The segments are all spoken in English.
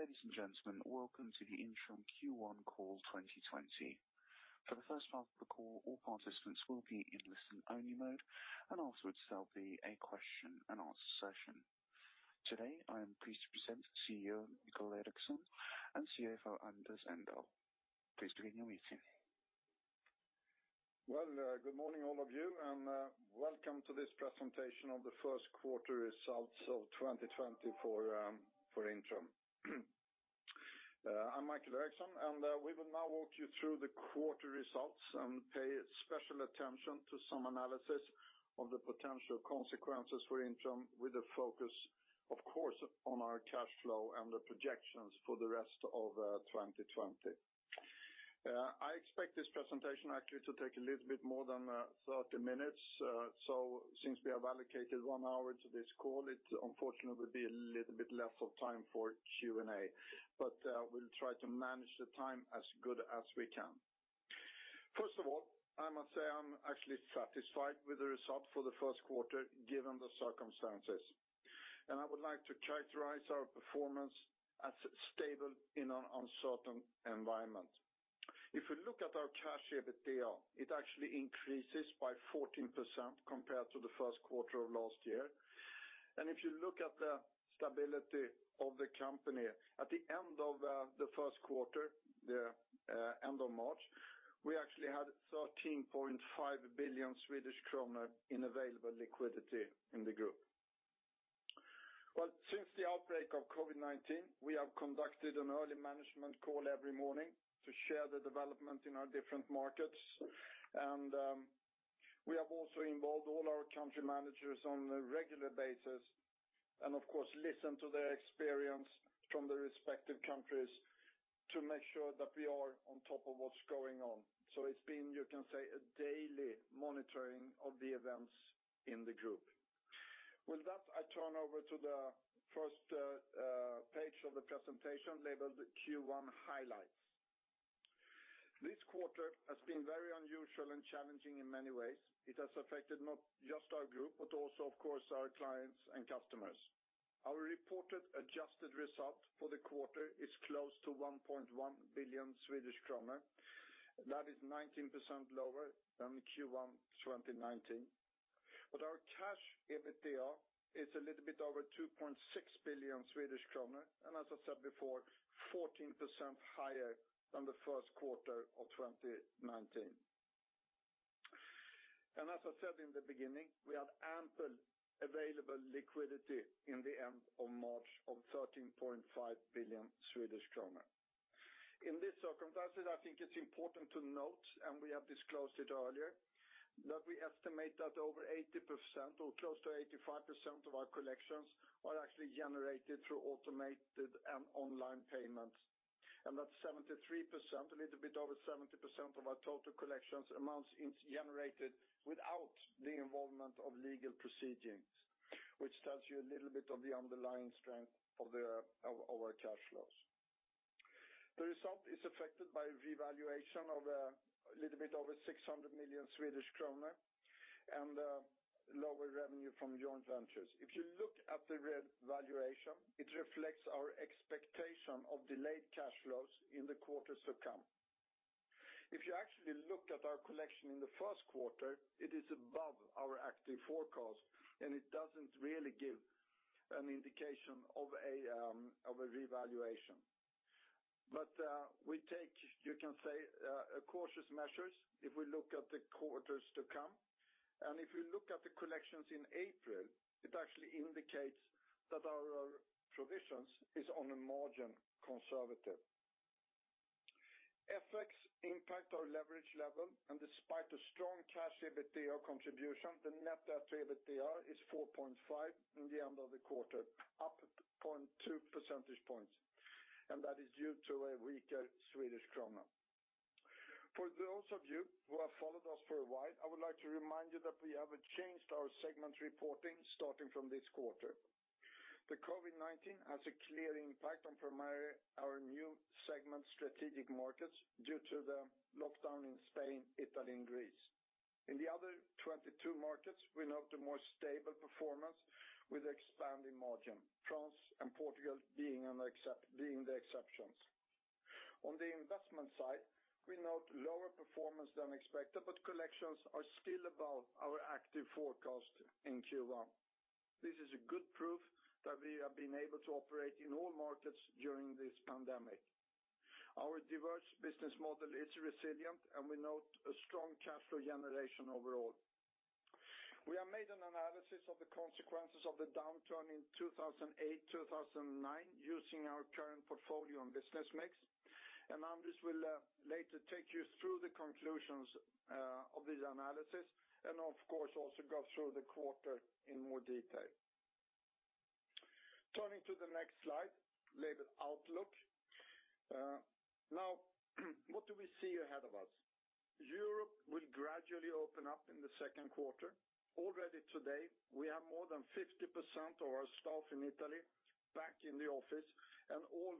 Ladies and gentlemen, welcome to the Intrum Q1 Call 2020. For the first part of the call, all participants will be in listen-only mode, and afterwards there'll be a question-and-answer session. Today, I am pleased to present CEO Mikael Ericson and CFO Anders Engdahl. Please begin your meeting. Good morning, all of you, and welcome to this presentation of the first quarter results of 2020 for Intrum. I'm Mikael Ericson and we will now walk you through the quarter results and pay special attention to some analysis of the potential consequences for Intrum, with a focus, of course, on our cash flow and the projections for the rest of 2020. I expect this presentation actually to take a little bit more than 30 minutes, so since we have allocated one hour to this call, it unfortunately will be a little bit less of time for Q&A, but we'll try to manage the time as good as we can. First of all, I must say I'm actually satisfied with the result for the first quarter given the circumstances, and I would like to characterize our performance as stable in an uncertain environment. If you look at our cash EBITDA, it actually increases by 14% compared to the first quarter of last year. If you look at the stability of the company, at the end of the first quarter, the end of March, we actually had 13.5 billion Swedish kronor in available liquidity in the group. Since the outbreak of COVID-19, we have conducted an early management call every morning to share the development in our different markets, and we have also involved all our country managers on a regular basis and, of course, listened to their experience from the respective countries to make sure that we are on top of what's going on. It has been, you can say, a daily monitoring of the events in the group. With that, I turn over to the first page of the presentation labeled Q1 Highlights. This quarter has been very unusual and challenging in many ways. It has affected not just our group, but also, of course, our clients and customers. Our reported adjusted result for the quarter is close to 1.1 billion Swedish kronor. That is 19% lower than Q1 2019. Our cash EBITDA is a little bit over 2.6 billion Swedish kronor, and as I said before, 14% higher than the first quarter of 2019. As I said in the beginning, we had ample available liquidity in the end of March of 13.5 billion Swedish kronor. In this circumstance, I think it's important to note, and we have disclosed it earlier, that we estimate that over 80% or close to 85% of our collections are actually generated through automated and online payments, and that 73%, a little bit over 70% of our total collections amounts generated without the involvement of legal proceedings, which tells you a little bit of the underlying strength of our cash flows. The result is affected by a revaluation of a little bit over 600 million Swedish kronor and lower revenue from joint ventures. If you look at the revaluation, it reflects our expectation of delayed cash flows in the quarters to come. If you actually look at our collection in the first quarter, it is above our active forecast, and it doesn't really give an indication of a revaluation. We take, you can say, cautious measures if we look at the quarters to come, and if you look at the collections in April, it actually indicates that our provisions are on a margin conservative. Effects impact our leverage level, and despite a strong cash EBITDA contribution, the net debt to EBITDA is 4.5 at the end of the quarter, up 0.2 percentage points, and that is due to a weaker Swedish krona. For those of you who have followed us for a while, I would like to remind you that we have changed our segment reporting starting from this quarter. The COVID-19 has a clear impact on primarily our new segment, Strategic Markets, due to the lockdown in Spain, Italy, and Greece. In the other 22 markets, we note a more stable performance with expanding margin, France and Portugal being the exceptions. On the investment side, we note lower performance than expected, but collections are still above our active forecast in Q1. This is good proof that we have been able to operate in all markets during this pandemic. Our diverse business model is resilient, and we note a strong cash flow generation overall. We have made an analysis of the consequences of the downturn in 2008-2009 using our current portfolio and business mix, and Anders will later take you through the conclusions of the analysis and, of course, also go through the quarter in more detail. Turning to the next slide labeled Outlook. Now, what do we see ahead of us? Europe will gradually open up in the second quarter. Already today, we have more than 50% of our staff in Italy back in the office, and all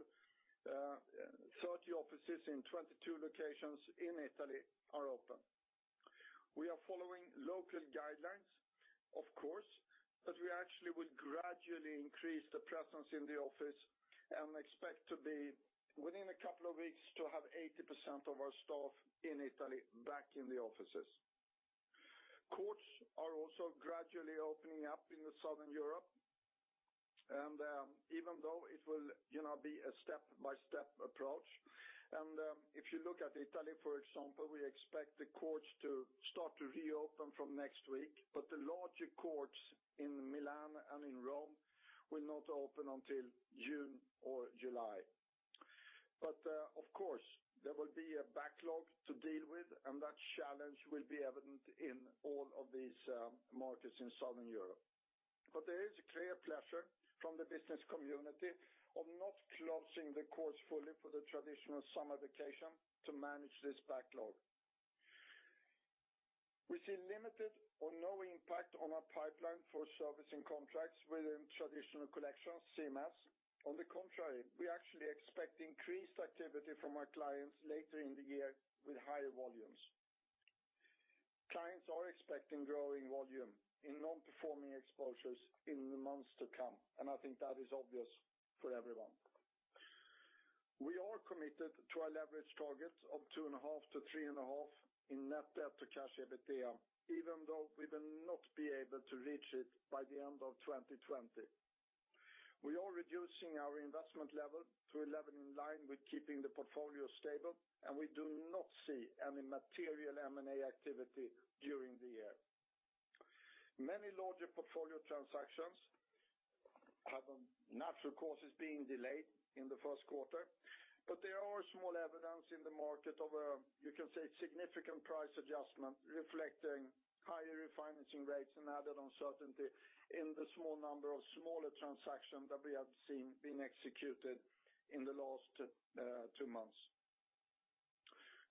30 offices in 22 locations in Italy are open. We are following local guidelines, of course, but we actually will gradually increase the presence in the office and expect to be, within a couple of weeks, to have 80% of our staff in Italy back in the offices. Courts are also gradually opening up in Southern Europe, and even though it will be a step-by-step approach, and if you look at Italy, for example, we expect the courts to start to reopen from next week, but the larger courts in Milan and in Rome will not open until June or July. There will be a backlog to deal with, and that challenge will be evident in all of these markets in Southern Europe. There is a clear pressure from the business community of not closing the courts fully for the traditional summer vacation to manage this backlog. We see limited or no impact on our pipeline for servicing contracts within traditional collections, CMS. On the contrary, we actually expect increased activity from our clients later in the year with higher volumes. Clients are expecting growing volume in non-performing exposures in the months to come, and I think that is obvious for everyone. We are committed to our leverage target of 2.5-3.5 in net debt to cash EBITDA, even though we will not be able to reach it by the end of 2020. We are reducing our investment level to SEK 11 million in line with keeping the portfolio stable, and we do not see any material M&A activity during the year. Many larger portfolio transactions have, natural course, been delayed in the first quarter, but there are small evidence in the market of a, you can say, significant price adjustment reflecting higher refinancing rates and added uncertainty in the small number of smaller transactions that we have seen being executed in the last two months.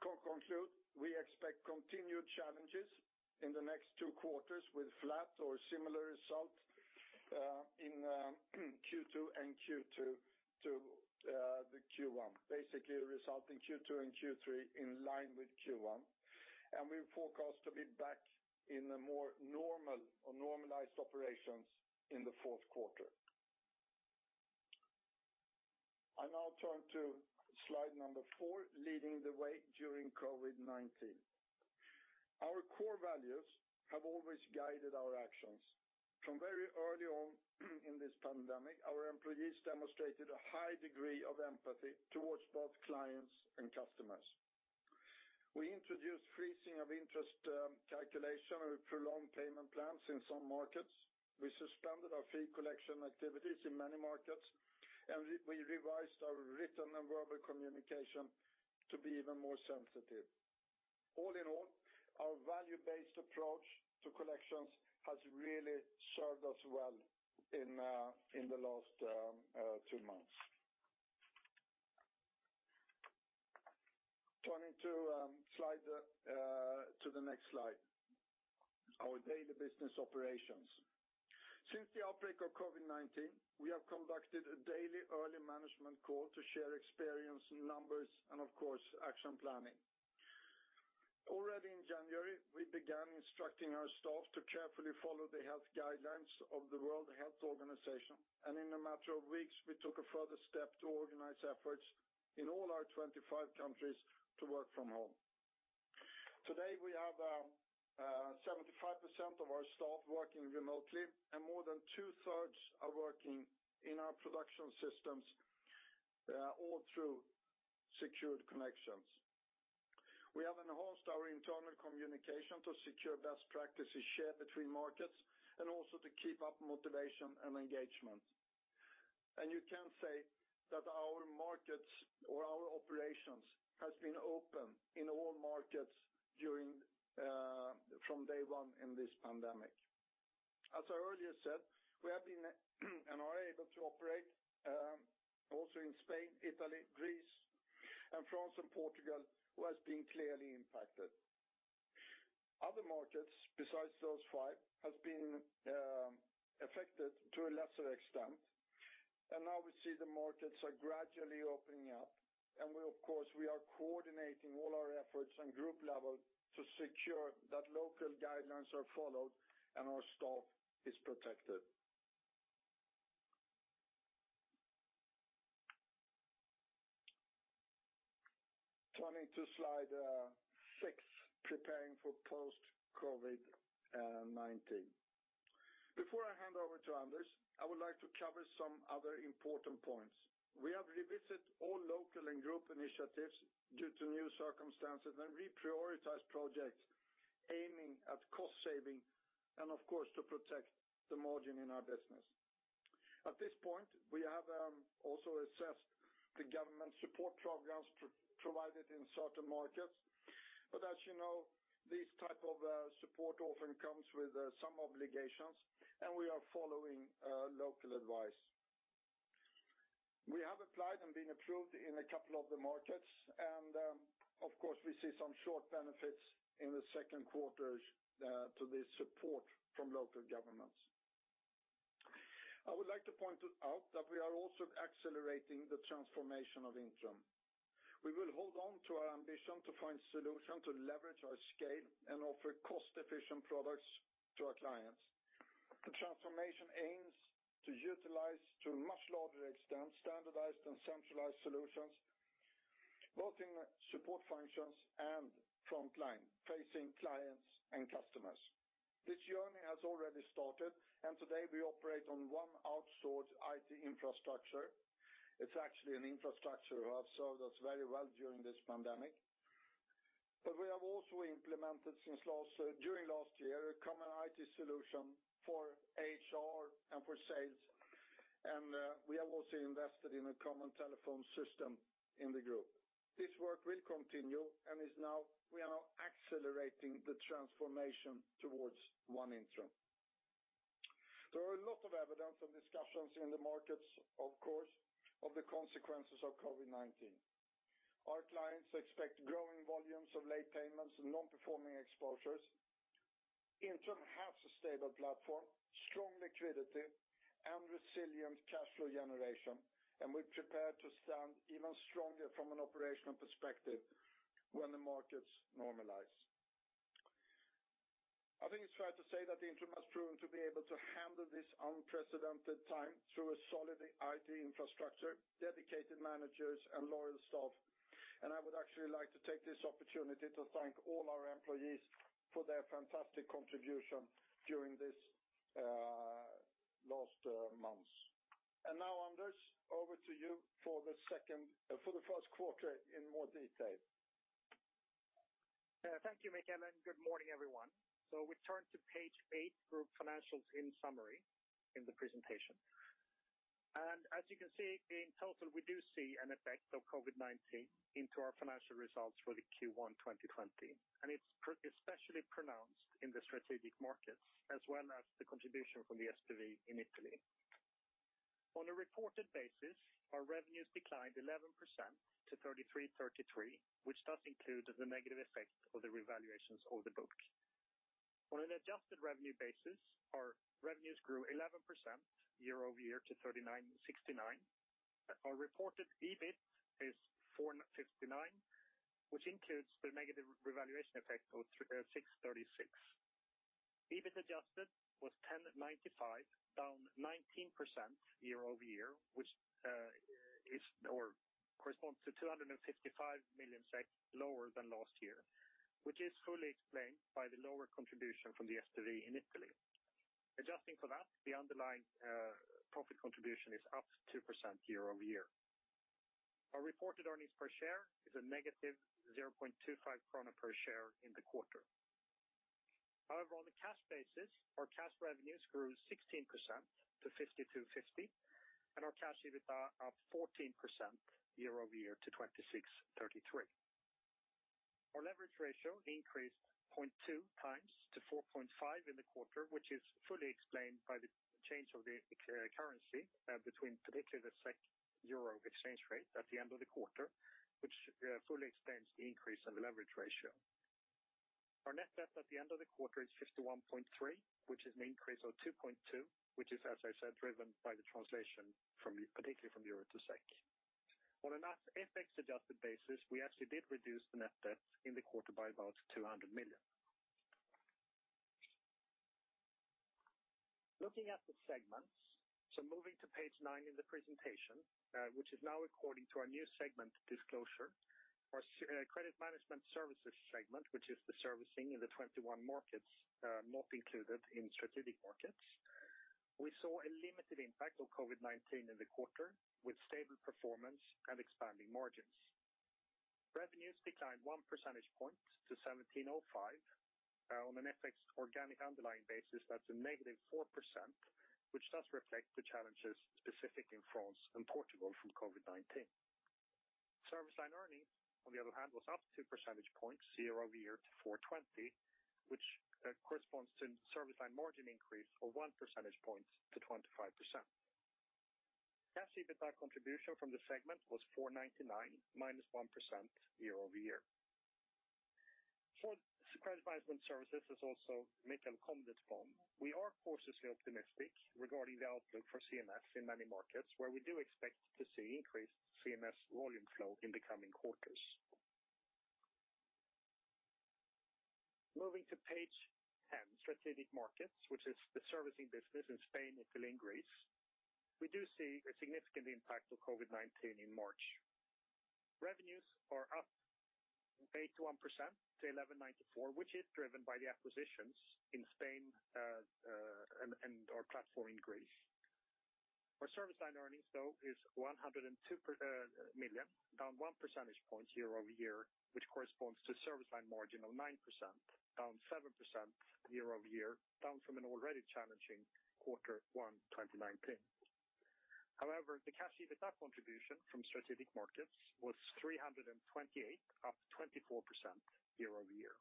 To conclude, we expect continued challenges in the next two quarters with flat or similar results in Q2 and Q3 to the Q1, basically resulting Q2 and Q3 in line with Q1, and we forecast to be back in more normal or normalized operations in the fourth quarter. I now turn to slide number four, leading the way during COVID-19. Our core values have always guided our actions. From very early on in this pandemic, our employees demonstrated a high degree of empathy towards both clients and customers. We introduced freezing of interest calculation and prolonged payment plans in some markets. We suspended our fee collection activities in many markets, and we revised our written and verbal communication to be even more sensitive. All in all, our value-based approach to collections has really served us well in the last two months. Turning to the next slide, our daily business operations. Since the outbreak of COVID-19, we have conducted a daily early management call to share experience, numbers, and, of course, action planning. Already in January, we began instructing our staff to carefully follow the health guidelines of the World Health Organization, and in a matter of weeks, we took a further step to organize efforts in all our 25 countries to work from home. Today, we have 75% of our staff working remotely, and more than two-thirds are working in our production systems, all through secured connections. We have enhanced our internal communication to secure best practices shared between markets and also to keep up motivation and engagement. You can say that our markets or our operations have been open in all markets from day one in this pandemic. As I earlier said, we have been and are able to operate also in Spain, Italy, Greece, France, and Portugal, which has been clearly impacted. Other markets, besides those five, have been affected to a lesser extent, and now we see the markets are gradually opening up. We, of course, are coordinating all our efforts on group level to secure that local guidelines are followed and our staff is protected. Turning to slide six, preparing for post-COVID-19. Before I hand over to Anders, I would like to cover some other important points. We have revisited all local and group initiatives due to new circumstances and reprioritized projects aiming at cost saving and, of course, to protect the margin in our business. At this point, we have also assessed the government support programs provided in certain markets, but as you know, this type of support often comes with some obligations, and we are following local advice. We have applied and been approved in a couple of the markets, and, of course, we see some short benefits in the second quarters to this support from local governments. I would like to point out that we are also accelerating the transformation of Intrum. We will hold on to our ambition to find solutions to leverage our scale and offer cost-efficient products to our clients. The transformation aims to utilize to a much larger extent standardized and centralized solutions, both in support functions and frontline, facing clients and customers. This journey has already started, and today we operate on one outsourced IT infrastructure. It is actually an infrastructure that has served us very well during this pandemic, but we have also implemented during last year a common IT solution for HR and for sales, and we have also invested in a common telephone system in the group. This work will continue and we are now accelerating the transformation towards one Intrum. There are a lot of evidence and discussions in the markets, of course, of the consequences of COVID-19. Our clients expect growing volumes of late payments and non-performing exposures. Intrum has a stable platform, strong liquidity, and resilient cash flow generation, and we're prepared to stand even stronger from an operational perspective when the markets normalize. I think it's fair to say that Intrum has proven to be able to handle this unprecedented time through a solid IT infrastructure, dedicated managers, and loyal staff, and I would actually like to take this opportunity to thank all our employees for their fantastic contribution during these last months. Now, Anders, over to you for the first quarter in more detail. Thank you, Mikael, and good morning, everyone. We turn to page eight, group financials in summary, in the presentation. As you can see, in total, we do see an effect of COVID-19 into our financial results for Q1 2020, and it's especially pronounced in the strategic markets as well as the contribution from the SPV in Italy. On a reported basis, our revenues declined 11% to 3,333, which does include the negative effect of the revaluations of the book. On an adjusted revenue basis, our revenues grew 11% year-over-year to 3,969. Our reported EBIT is 459, which includes the negative revaluation effect of 636. EBIT adjusted was 1,095, down 19% year-over-year, which corresponds to 255 million lower than last year, which is fully explained by the lower contribution from the SPV in Italy. Adjusting for that, the underlying profit contribution is up 2% year-over-year. Our reported earnings per share is a negative 0.25 krona per share in the quarter. However, on a cash basis, our cash revenues grew 16% to 5,250, and our cash EBITDA are up 14% year-over-year to 2,633. Our leverage ratio increased 0.2 times to 4.5 in the quarter, which is fully explained by the change of the currency between, particularly, the SEK-EUR exchange rate at the end of the quarter, which fully explains the increase in the leverage ratio. Our net debt at the end of the quarter is 51.3 billion, which is an increase of 2.2 billion, which is, as I said, driven by the translation, particularly, from EUR to SEK. On an FX adjusted basis, we actually did reduce the net debt in the quarter by about 200 million. Looking at the segments, moving to page nine in the presentation, which is now according to our new segment disclosure, our Credit Management Services segment, which is the servicing in the 21 markets not included in Strategic Markets, we saw a limited impact of COVID-19 in the quarter with stable performance and expanding margins. Revenues declined one percentage point to 1,705. On an FX organic underlying basis, that's a negative 4%, which does reflect the challenges specifically in France and Portugal from COVID-19. Service line earnings, on the other hand, was up 2 percentage points year-over-year to 420, which corresponds to service line margin increase of 1 percentage point to 25%. Cash EBITDA contribution from the segment was 499,, -1% year-over-year. For Credit Management Services, as also Mikael commented upon, we are cautiously optimistic regarding the outlook for CMS in many markets, where we do expect to see increased CMS volume flow in the coming quarters. Moving to page 10, Strategic Markets, which is the servicing business in Spain, Italy, and Greece, we do see a significant impact of COVID-19 in March. Revenues are up 81% to 1,194, which is driven by the acquisitions in Spain and our platform in Greece. Our service line earnings, though, is 102 million, down 1 percentage point year-over-year, which corresponds to service line margin of 9%, down 7 percentage points year-over-year, down from an already challenging quarter one 2019. However, the cash EBITDA contribution from strategic markets was 328 million, up 24% year-over year.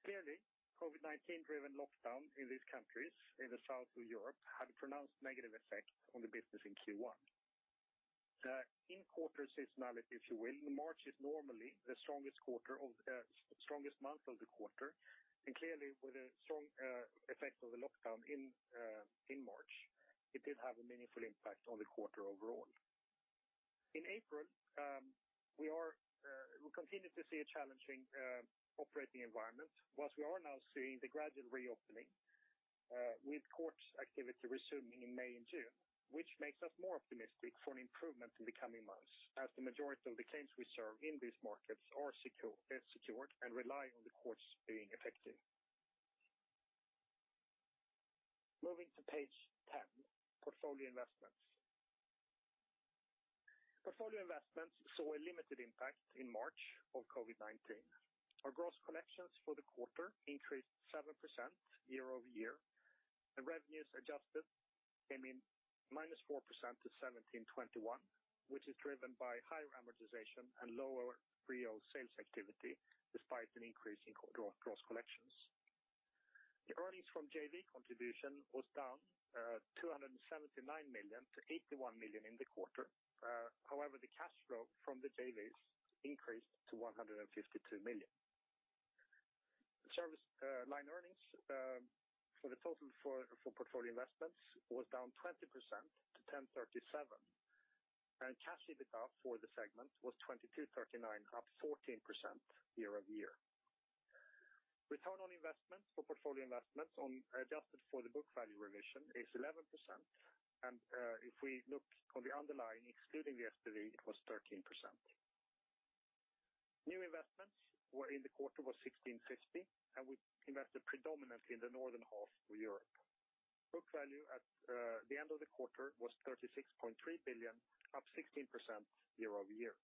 Clearly, COVID-19-driven lockdown in these countries in the south of Europe had a pronounced negative effect on the business in Q1. In quarter seasonality, if you will, March is normally the strongest month of the quarter, and clearly, with the strong effect of the lockdown in March, it did have a meaningful impact on the quarter overall. In April, we continue to see a challenging operating environment, but we are now seeing the gradual reopening with courts activity resuming in May and June, which makes us more optimistic for an improvement in the coming months, as the majority of the claims we serve in these markets are secured and rely on the courts being effective. Moving to page 10, portfolio investments. Portfolio investments saw a limited impact in March of COVID-19. Our gross collections for the quarter increased 7% year-over-year, and revenues adjusted came in minus 4% to 1,721 million, which is driven by higher amortization and lower REO sales activity despite an increase in gross collections. The earnings from JV contribution was down 279 million to 81 million in the quarter. However, the cash flow from the JVs increased to 152 million. Service line earnings for the total for portfolio investments was down 20% to 1,037 million, and cash EBITDA for the segment was 2,239 million, up 14% year-over-year. Return on investment for portfolio investments adjusted for the book value revision is 11%, and if we look on the underlying, excluding the SPV, it was 13%. New investments in the quarter was 1,650 million, and we invested predominantly in the northern half of Europe. Book value at the end of the quarter was 36.3 billion, up 16% year-over-year.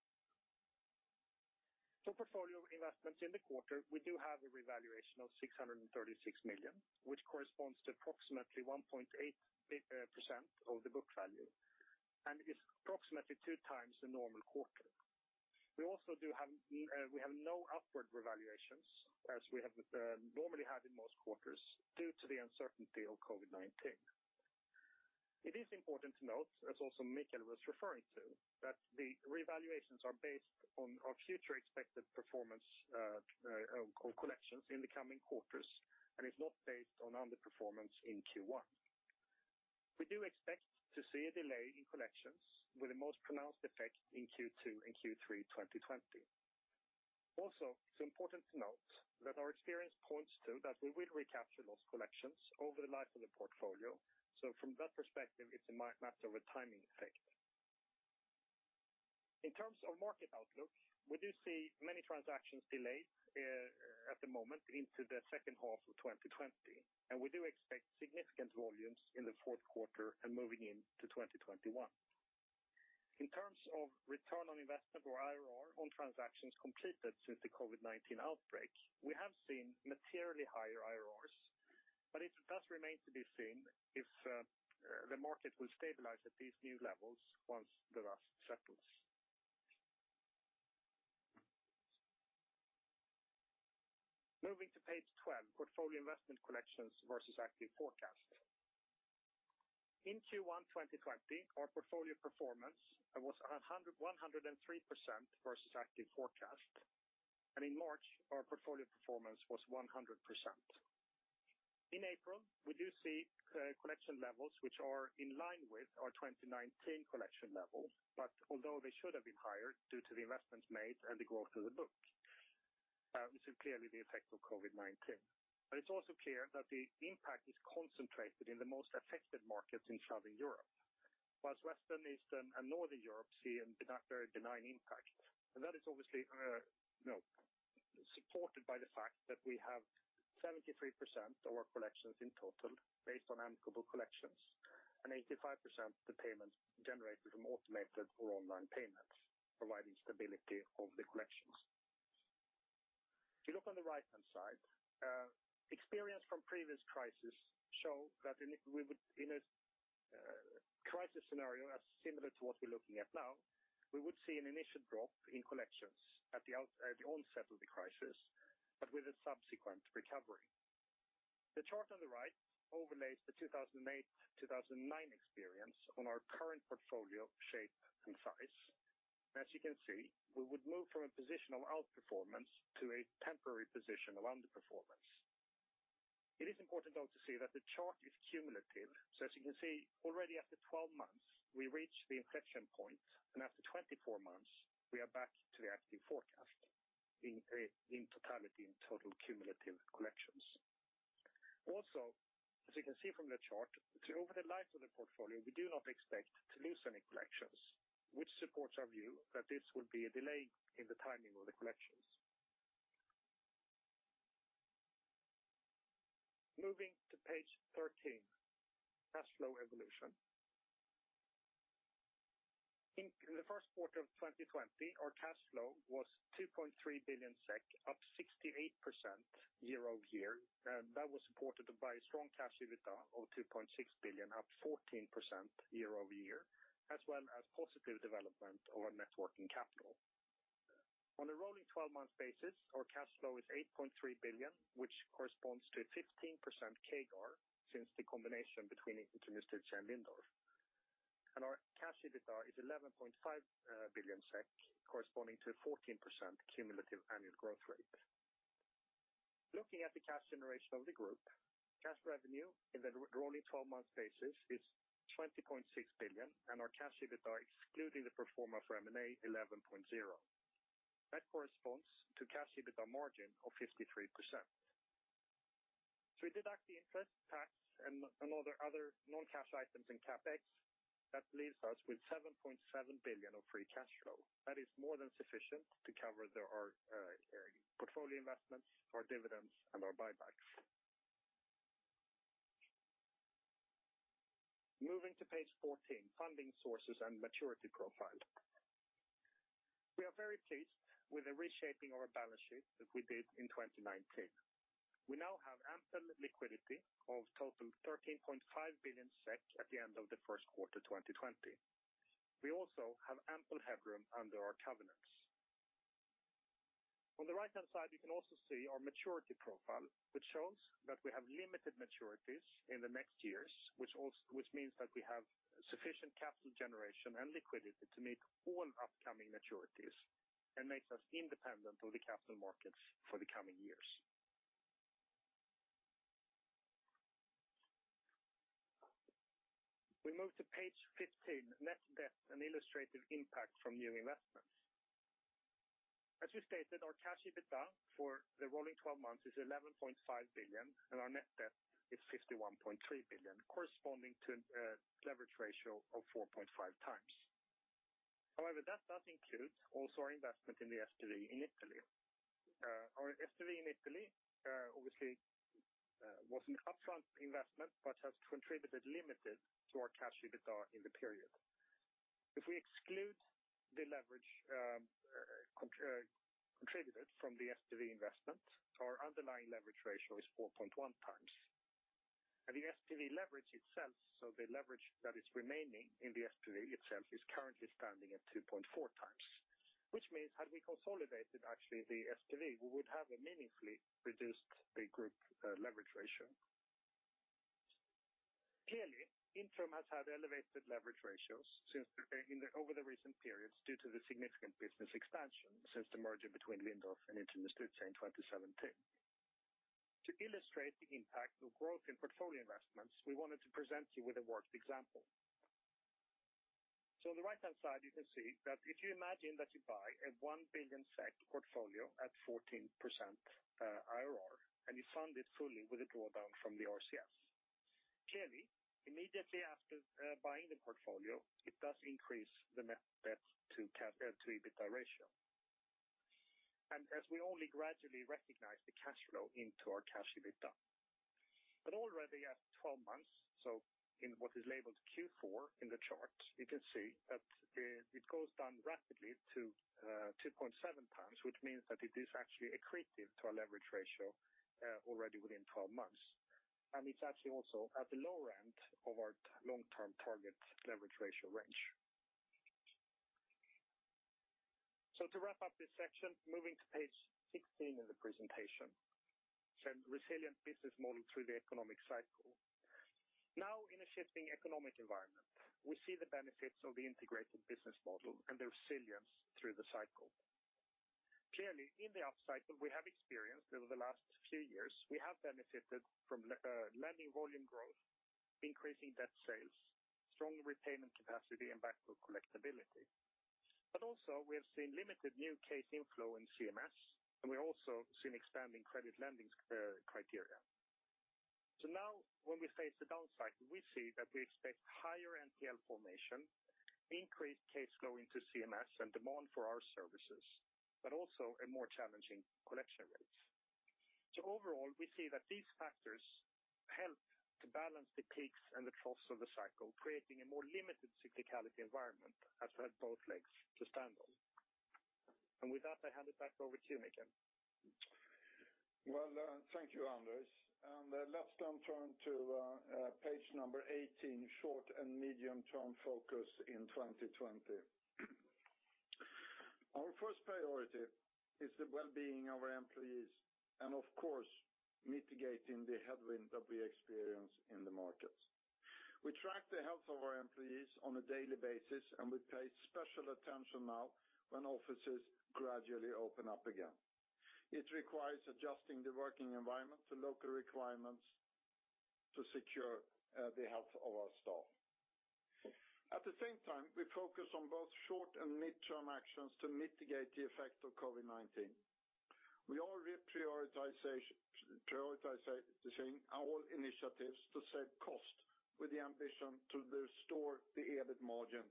For portfolio investments in the quarter, we do have a revaluation of 636 million, which corresponds to approximately 1.8% of the book value and is approximately two times the normal quarter. We also do have no upward revaluations as we have normally had in most quarters due to the uncertainty of COVID-19. It is important to note, as also Mikael was referring to, that the revaluations are based on our future expected performance collections in the coming quarters and is not based on underperformance in Q1. We do expect to see a delay in collections with the most pronounced effect in Q2 and Q3 2020. Also, it is important to note that our experience points to that we will recapture lost collections over the life of the portfolio, so from that perspective, it is a matter of a timing effect. In terms of market outlook, we do see many transactions delayed at the moment into the second half of 2020, and we do expect significant volumes in the fourth quarter and moving into 2021. In terms of return on investment or IRR on transactions completed since the COVID-19 outbreak, we have seen materially higher IRRs, but it does remain to be seen if the market will stabilize at these new levels once the dust settles. Moving to page 12, portfolio investment collections versus active forecast. In Q1 2020, our portfolio performance was 103% versus active forecast, and in March, our portfolio performance was 100%. In April, we do see collection levels which are in line with our 2019 collection level, but although they should have been higher due to the investments made and the growth of the book, which is clearly the effect of COVID-19. It is also clear that the impact is concentrated in the most affected markets in southern Europe, whilst western, eastern, and northern Europe see a very benign impact, and that is obviously supported by the fact that we have 73% of our collections in total based on amicable collections and 85% of the payments generated from automated or online payments, providing stability of the collections. If you look on the right-hand side, experience from previous crises shows that in a crisis scenario similar to what we are looking at now, we would see an initial drop in collections at the onset of the crisis, but with a subsequent recovery. The chart on the right overlays the 2008-2009 experience on our current portfolio shape and size, and as you can see, we would move from a position of outperformance to a temporary position of underperformance. It is important, though, to see that the chart is cumulative, so as you can see, already after 12 months, we reach the inflection point, and after 24 months, we are back to the active forecast in totality in total cumulative collections. Also, as you can see from the chart, over the life of the portfolio, we do not expect to lose any collections, which supports our view that this will be a delay in the timing of the collections. Moving to page 13, cash flow evolution. In the first quarter of 2020, our cash flow was 2.3 billion SEK, up 68% year-over-year, and that was supported by a strong cash EBITDA of 2.6 billion, up 14% year-over-year, as well as positive development of our net working capital. On a rolling 12-month basis, our cash flow is 8.3 billion, which corresponds to 15% CAGR since the combination between Intrum Justitia and Lindorff, and our cash EBITDA is 11.5 billion SEK, corresponding to a 14% cumulative annual growth rate. Looking at the cash generation of the group, cash revenue in the rolling 12-month basis is 20.6 billion, and our cash EBITDA, excluding the pro forma for M&A, is 11.0 billion. That corresponds to a cash EBITDA margin of 53%. If we deduct the interest, tax, and other non-cash items in CapEx, that leaves us with 7.7 billion of free cash flow. That is more than sufficient to cover our portfolio investments, our dividends, and our buybacks. Moving to page 14, funding sources and maturity profile. We are very pleased with the reshaping of our balance sheet that we did in 2019. We now have ample liquidity of total 13.5 billion SEK at the end of the first quarter 2020. We also have ample headroom under our covenants. On the right-hand side, you can also see our maturity profile, which shows that we have limited maturities in the next years, which means that we have sufficient capital generation and liquidity to meet all upcoming maturities and makes us independent of the capital markets for the coming years. We move to page 15, net debt and illustrative impact from new investments. As we stated, our cash EBITDA for the rolling 12 months is 11.5 billion, and our net debt is 51.3 billion, corresponding to a leverage ratio of 4.5 times. However, that does include also our investment in the SPV in Italy. Our SPV in Italy obviously was an upfront investment but has contributed limited to our cash EBITDA in the period. If we exclude the leverage contributed from the SPV investment, our underlying leverage ratio is 4.1 times, and the SPV leverage itself, so the leverage that is remaining in the SPV itself, is currently standing at 2.4 times, which means had we consolidated actually the SPV, we would have meaningfully reduced the group leverage ratio. Clearly, Intrum has had elevated leverage ratios over the recent periods due to the significant business expansion since the merger between Lindorff and Intrum Justitia in 2017. To illustrate the impact of growth in portfolio investments, we wanted to present you with a worked example. On the right-hand side, you can see that if you imagine that you buy a 1 billion SEK portfolio at 14% IRR and you fund it fully with a drawdown from the RCF, clearly, immediately after buying the portfolio, it does increase the net debt to EBITDA ratio, and as we only gradually recognize the cash flow into our cash EBITDA, but already at 12 months, so in what is labeled Q4 in the chart, you can see that it goes down rapidly to 2.7 times, which means that it is actually accretive to a leverage ratio already within 12 months, and it's actually also at the lower end of our long-term target leverage ratio range. To wrap up this section, moving to page 16 in the presentation, resilient business model through the economic cycle. Now, in a shifting economic environment, we see the benefits of the integrated business model and the resilience through the cycle. Clearly, in the upcycle, we have experienced over the last few years, we have benefited from lending volume growth, increasing debt sales, strong repayment capacity, and backward collectability, but also we have seen limited new case inflow in CMS, and we've also seen expanding credit lending criteria. Now, when we face the downside, we see that we expect higher NPL formation, increased case flow into CMS, and demand for our services, but also a more challenging collection rate. Overall, we see that these factors help to balance the peaks and the troughs of the cycle, creating a more limited cyclicality environment that has both legs to stand on. With that, I hand it back over to you, Mikael. Thank you, Anders, and let's then turn to page number 18, short and medium-term focus in 2020. Our first priority is the well-being of our employees and, of course, mitigating the headwind that we experience in the markets. We track the health of our employees on a daily basis, and we pay special attention now when offices gradually open up again. It requires adjusting the working environment to local requirements to secure the health of our staff. At the same time, we focus on both short and midterm actions to mitigate the effect of COVID-19. We are reprioritizing our initiatives to save cost with the ambition to restore the EBIT margin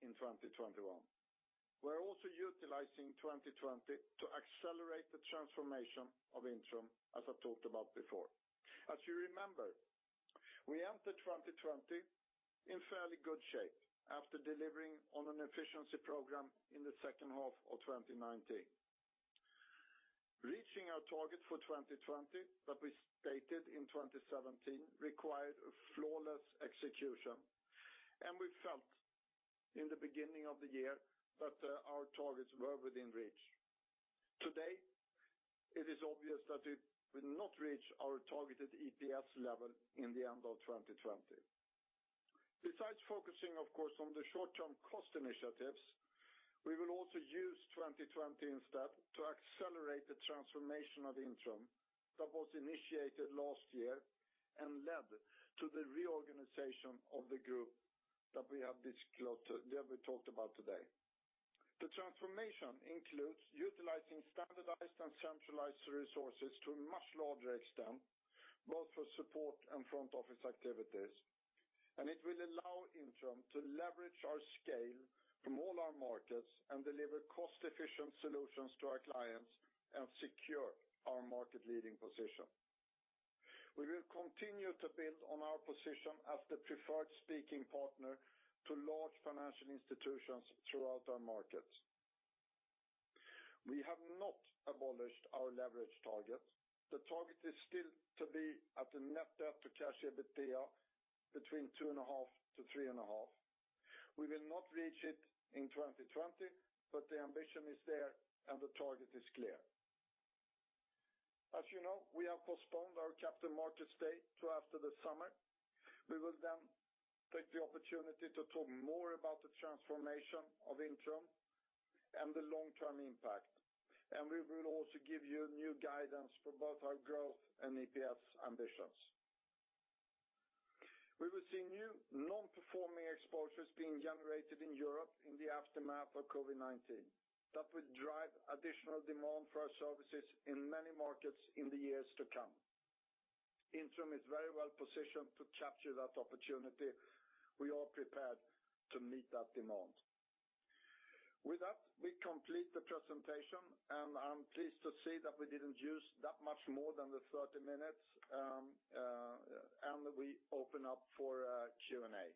in 2021. We're also utilizing 2020 to accelerate the transformation of Intrum, as I talked about before. As you remember, we entered 2020 in fairly good shape after delivering on an efficiency program in the second half of 2019. Reaching our target for 2020 that we stated in 2017 required a flawless execution, and we felt in the beginning of the year that our targets were within reach. Today, it is obvious that we will not reach our targeted EPS level in the end of 2020. Besides focusing, of course, on the short-term cost initiatives, we will also use 2020 instead to accelerate the transformation of Intrum that was initiated last year and led to the reorganization of the group that we have talked about today. The transformation includes utilizing standardized and centralized resources to a much larger extent, both for support and front office activities, and it will allow Intrum to leverage our scale from all our markets and deliver cost-efficient solutions to our clients and secure our market-leading position. We will continue to build on our position as the preferred speaking partner to large financial institutions throughout our markets. We have not abolished our leverage target. The target is still to be at the net debt to cash EBITDA between 2.5-3.5. We will not reach it in 2020, but the ambition is there and the target is clear. As you know, we have postponed our capital markets date to after the summer. We will then take the opportunity to talk more about the transformation of Intrum and the long-term impact, and we will also give you new guidance for both our growth and EPS ambitions. We will see new non-performing exposures being generated in Europe in the aftermath of COVID-19 that will drive additional demand for our services in many markets in the years to come. Intrum is very well positioned to capture that opportunity. We are prepared to meet that demand. With that, we complete the presentation, and I'm pleased to see that we did not use that much more than the 30 minutes, and we open up for Q&A.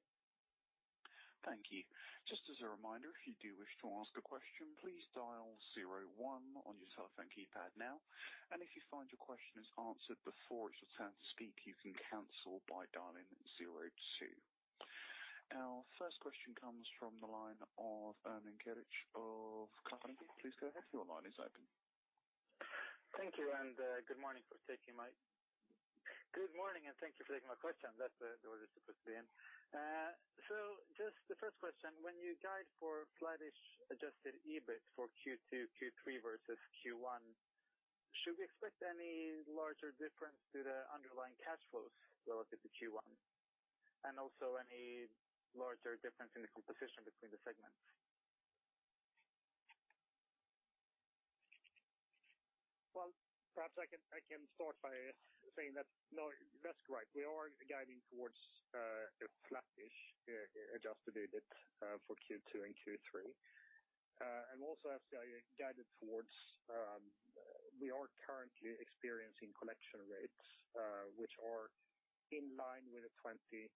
Thank you. Just as a reminder, if you do wish to ask a question, please dial 01 on your telephone keypad now, and if you find your question is answered before it's your turn to speak, you can cancel by dialing 02. Our first question comes from the line of Ermin Keric of Carnegie. Please go ahead. Your line is open. Thank you, and good morning, and thank you for taking my question. That's where we were supposed to be in. Just the first question: when you guide for flatish adjusted EBIT for Q2, Q3 versus Q1, should we expect any larger difference to the underlying cash flows relative to Q1, and also any larger difference in the composition between the segments? Perhaps I can start by saying that, no, that's correct. We are guiding towards a flatish adjusted EBIT for Q2 and Q3, and we also have guided towards—we are currently experiencing collection rates, which are in line with the 2019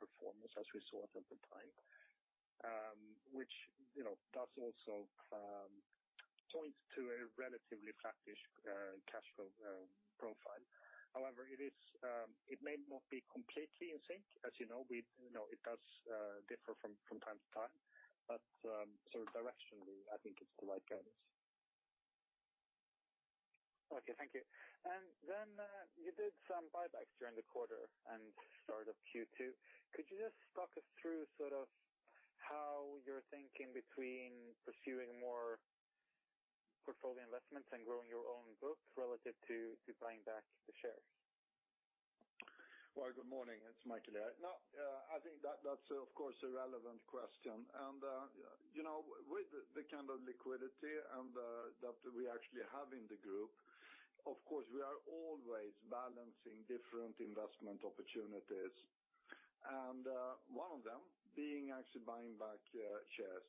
performance as we saw at the time, which does also point to a relatively flatish cash flow profile. However, it may not be completely in sync. As you know, it does differ from time to time, but sort of directionally, I think it is the right guidance. Okay, thank you. You did some buybacks during the quarter and start of Q2. Could you just talk us through sort of how you are thinking between pursuing more portfolio investments and growing your own book relative to buying back the shares? Good morning. It is Mikael here. No, I think that is of course a relevant question, and with the kind of liquidity that we actually have in the group, of course, we are always balancing different investment opportunities, and one of them being actually buying back shares.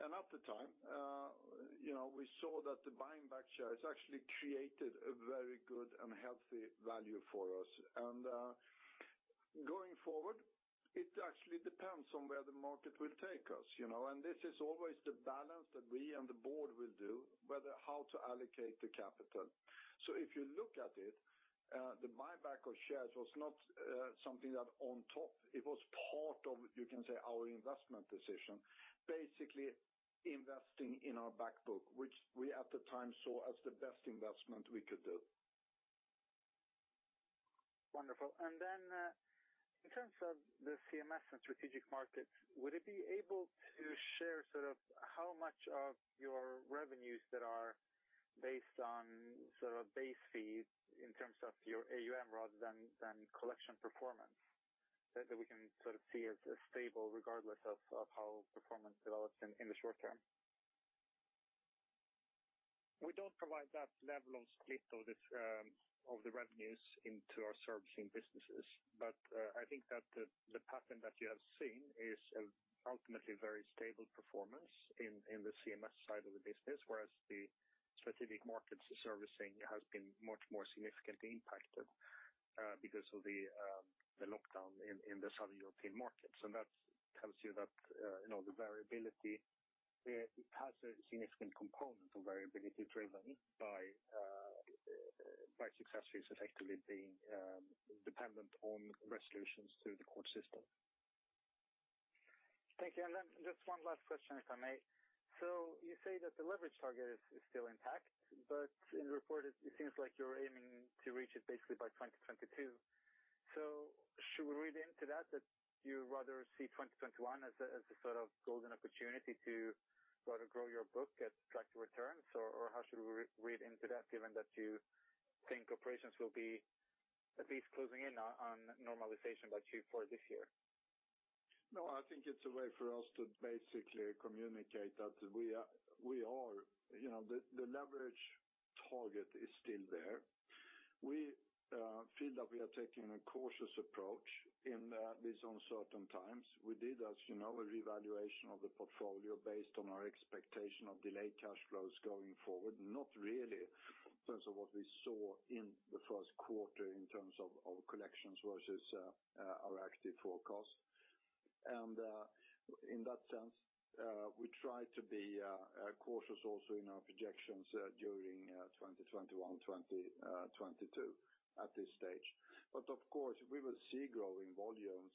At the time, we saw that the buying back shares actually created a very good and healthy value for us, and going forward, it actually depends on where the market will take us. This is always the balance that we and the board will do, whether how to allocate the capital. If you look at it, the buyback of shares was not something that on top, it was part of, you can say, our investment decision, basically investing in our backbook, which we at the time saw as the best investment we could do. Wonderful. In terms of the CMS and strategic markets, would you be able to share sort of how much of your revenues are based on sort of base fee in terms of your AUM rather than collection performance that we can sort of see as stable regardless of how performance develops in the short term? We do not provide that level of split of the revenues into our servicing businesses, but I think that the pattern that you have seen is ultimately very stable performance in the CMS side of the business, whereas the strategic markets servicing has been much more significantly impacted because of the lockdown in the Southern European markets. That tells you that the variability has a significant component of variability driven by successes effectively being dependent on resolutions to the court system. Thank you. Just one last question, if I may. You say that the leverage target is still intact, but in the report, it seems like you're aiming to reach it basically by 2022. Should we read into that that you rather see 2021 as a sort of golden opportunity to rather grow your book at tracked returns, or how should we read into that given that you think operations will be at least closing in on normalization by Q4 this year? No, I think it's a way for us to basically communicate that the leverage target is still there. We feel that we are taking a cautious approach in these uncertain times. We did, as you know, a revaluation of the portfolio based on our expectation of delayed cash flows going forward, not really in terms of what we saw in the first quarter in terms of collections versus our active forecast. In that sense, we try to be cautious also in our projections during 2021-2022 at this stage. Of course, we will see growing volumes,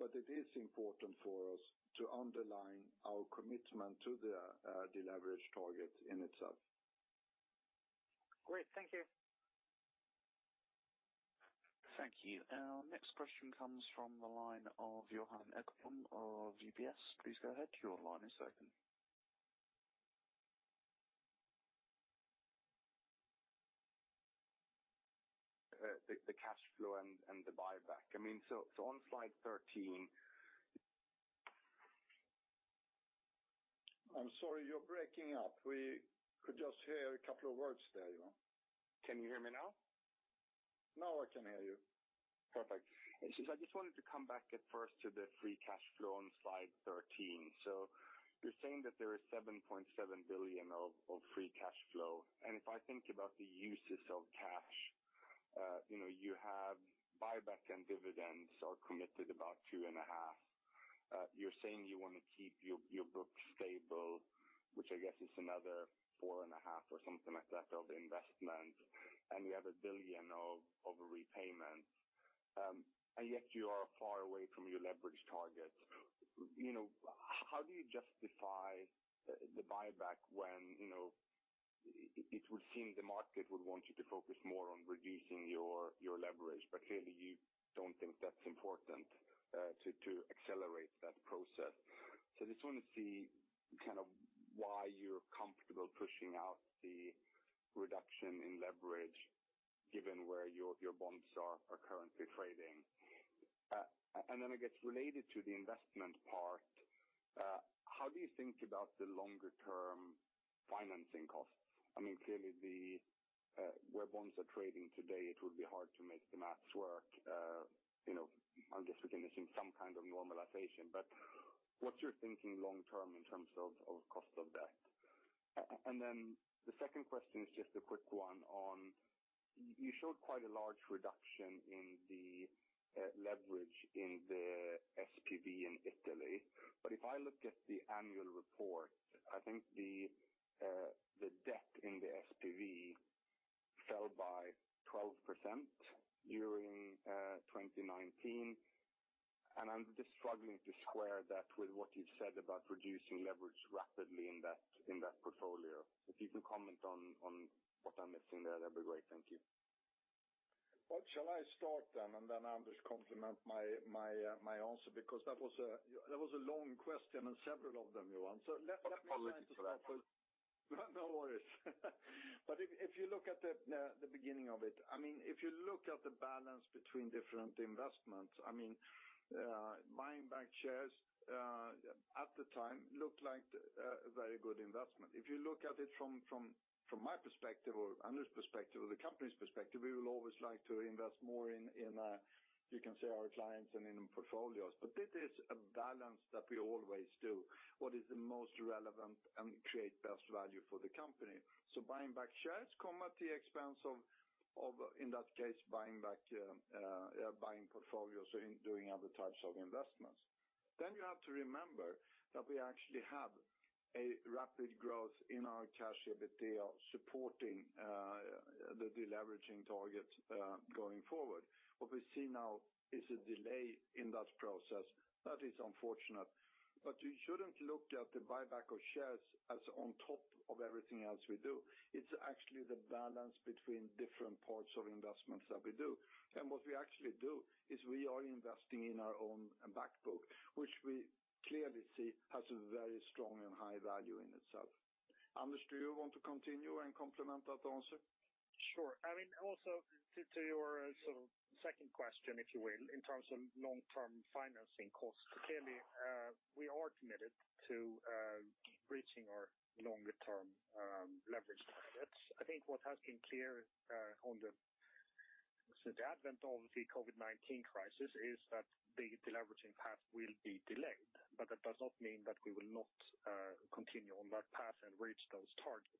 but it is important for us to underline our commitment to the deleveraged target in itself. Great. Thank you. Thank you. Our next question comes from the line of Johan Ekblom of UBS. Please go ahead. Your line is open. The cash flow and the buyback. I mean, on slide 13— I'm sorry, you are breaking up. We could just hear a couple of words there, Johan. Can you hear me now? Now I can hear you. Perfect. I just wanted to come back at first to the free cash flow on slide 13. You're saying that there is 7.7 billion of free cash flow, and if I think about the uses of cash, you have buyback and dividends are committed about 2.5 billion. You're saying you want to keep your book stable, which I guess is another 4.5 billion or something like that of investment, and you have 1 billion of repayments, and yet you are far away from your leverage target. How do you justify the buyback when it would seem the market would want you to focus more on reducing your leverage, but clearly you do not think that's important to accelerate that process? I just want to see kind of why you're comfortable pushing out the reduction in leverage given where your bonds are currently trading. I guess related to the investment part, how do you think about the longer-term financing costs? I mean, clearly where bonds are trading today, it would be hard to make the maths work. I guess we can assume some kind of normalization, but what's your thinking long-term in terms of cost of that? The second question is just a quick one on you showed quite a large reduction in the leverage in the SPV in Italy, but if I look at the annual report, I think the debt in the SPV fell by 12% during 2019, and I'm just struggling to square that with what you've said about reducing leverage rapidly in that portfolio. If you can comment on what I'm missing there, that'd be great. Thank you. Shall I start then and then Anders complement my answer? Because that was a long question and several of them, Johan. Let me try to start with—No worries. If you look at the beginning of it, I mean, if you look at the balance between different investments, I mean, buying back shares at the time looked like a very good investment. If you look at it from my perspective or Anders' perspective or the company's perspective, we will always like to invest more in, you can say, our clients and in portfolios, but it is a balance that we always do. What is the most relevant and create best value for the company? Buying back shares comes at the expense of, in that case, buying back portfolios or doing other types of investments. You have to remember that we actually have a rapid growth in our cash EBITDA supporting the deleveraging target going forward. What we see now is a delay in that process. That is unfortunate, but you should not look at the buyback of shares as on top of everything else we do. It is actually the balance between different parts of investments that we do. What we actually do is we are investing in our own backbook, which we clearly see has a very strong and high value in itself. Anders, do you want to continue and complement that answer? Sure. I mean, also to your sort of second question, if you will, in terms of long-term financing costs, clearly we are committed to reaching our longer-term leverage targets. I think what has been clear on the advent of the COVID-19 crisis is that the deleveraging path will be delayed, but that does not mean that we will not continue on that path and reach those targets.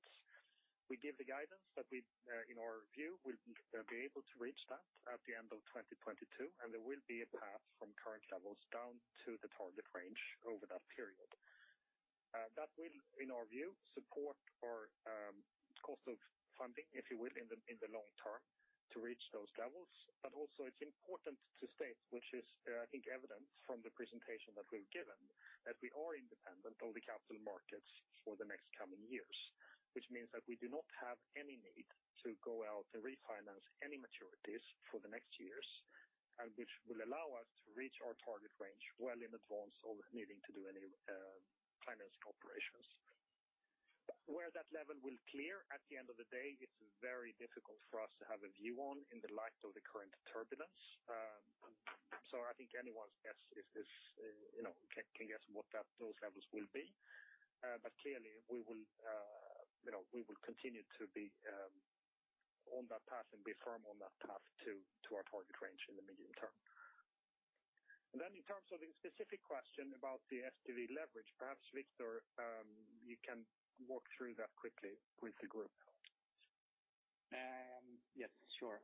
We give the guidance that we, in our view, will be able to reach that at the end of 2022, and there will be a path from current levels down to the target range over that period. That will, in our view, support our cost of funding, if you will, in the long term to reach those levels. Also, it's important to state, which is, I think, evident from the presentation that we've given, that we are independent of the capital markets for the next coming years, which means that we do not have any need to go out and refinance any maturities for the next years, which will allow us to reach our target range well in advance of needing to do any financing operations. Where that level will clear at the end of the day, it's very difficult for us to have a view on in the light of the current turbulence. I think anyone can guess what those levels will be, but clearly we will continue to be on that path and be firm on that path to our target range in the medium term. In terms of the specific question about the SPV leverage, perhaps Viktor, you can walk through that quickly with the group. Yes, sure.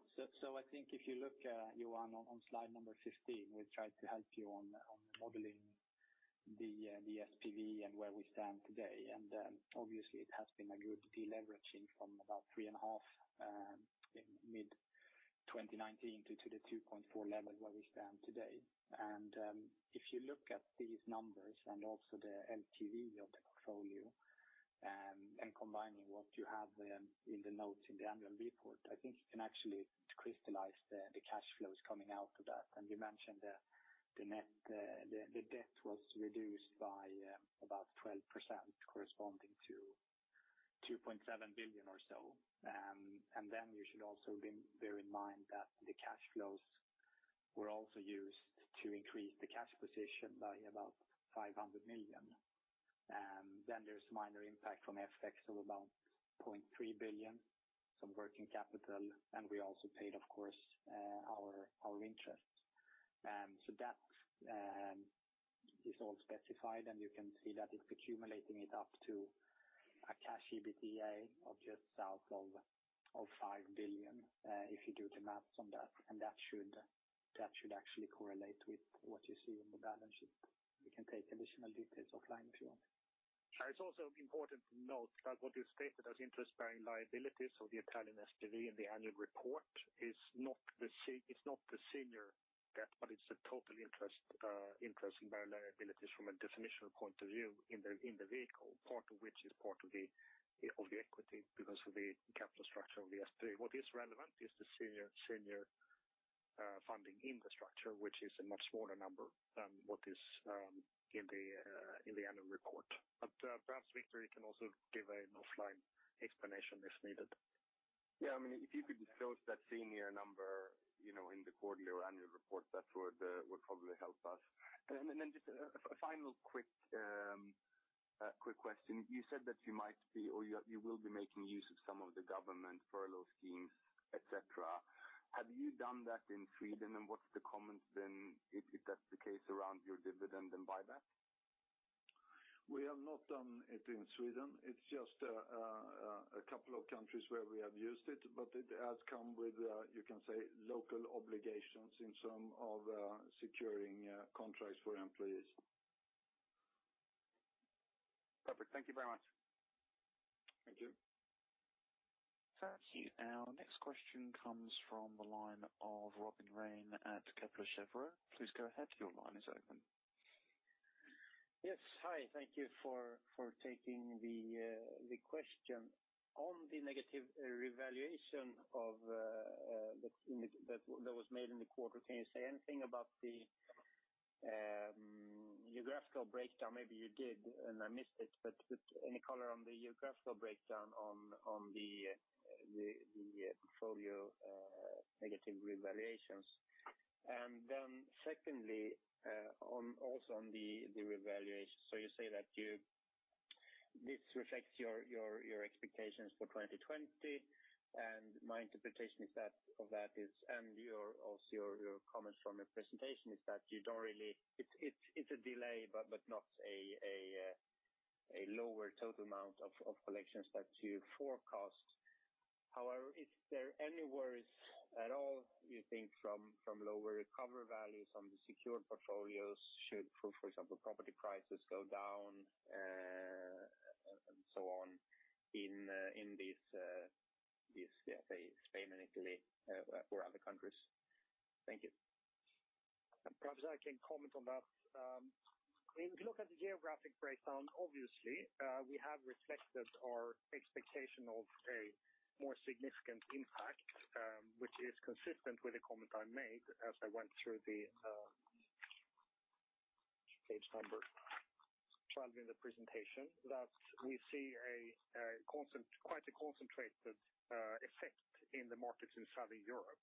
I think if you look, Johan, on slide number 15, we tried to help you on modeling the SPV and where we stand today. Obviously, it has been a good deleveraging from about 3.5 in mid-2019 to the 2.4 level where we stand today. If you look at these numbers and also the LTV of the portfolio and combining what you have in the notes in the annual report, I think you can actually crystallize the cash flows coming out of that. You mentioned the debt was reduced by about 12%, corresponding to 2.7 billion or so. You should also bear in mind that the cash flows were also used to increase the cash position by about 500 million. There is a minor impact from FX of about 0.3 billion, some working capital, and we also paid, of course, our interest. That is all specified, and you can see that it is accumulating up to a cash EBITDA of just south of 5 billion if you do the maths on that. That should actually correlate with what you see in the balance sheet. You can take additional details offline if you want. It's also important to note that what you stated as interest-bearing liabilities of the Italian SPV in the annual report is not the senior debt, but it's the total interest-bearing liabilities from a definitional point of view in the vehicle, part of which is part of the equity because of the capital structure of the SPV. What is relevant is the senior funding in the structure, which is a much smaller number than what is in the annual report. Perhaps Viktor, you can also give an offline explanation if needed. Yeah. I mean, if you could disclose that senior number in the quarterly or annual report, that would probably help us. Just a final quick question. You said that you might be or you will be making use of some of the government furlough schemes, etc. Have you done that in Sweden, and what's the comment been if that's the case around your dividend and buyback? We have not done it in Sweden. It's just a couple of countries where we have used it, but it has come with, you can say, local obligations in terms of securing contracts for employees. Perfect. Thank you very much. Thank you. Thank you. Our next question comes from the line of Robin Rane at Kepler Cheuvreux. Please go ahead. Your line is open. Yes. Hi. Thank you for taking the question. On the negative revaluation that was made in the quarter, can you say anything about the geographical breakdown? Maybe you did, and I missed it, but any color on the geographical breakdown on the portfolio negative revaluations? Then secondly, also on the revaluation, you say that this reflects your expectations for 2020, and my interpretation of that is, and also your comments from your presentation, is that you do not really—it is a delay, but not a lower total amount of collections that you forecast. However, is there any worries at all, you think, from lower recovery values on the secured portfolios should, for example, property prices go down and so on in these, let's say, Spain and Italy or other countries? Thank you. Perhaps I can comment on that. If you look at the geographic breakdown, obviously, we have reflected our expectation of a more significant impact, which is consistent with the comment I made as I went through the page number 12 in the presentation, that we see quite a concentrated effect in the markets in Southern Europe.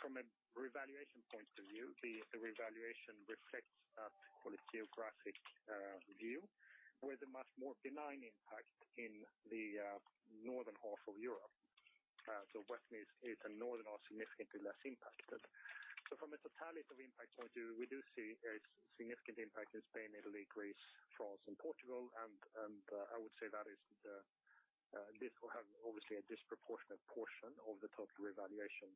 From a revaluation point of view, the revaluation reflects that geographic view with a much more benign impact in the northern half of Europe. Which means northern or significantly less impacted. From a totality of impact point of view, we do see a significant impact in Spain, Italy, Greece, France, and Portugal, and I would say that this will have obviously a disproportionate portion of the total revaluation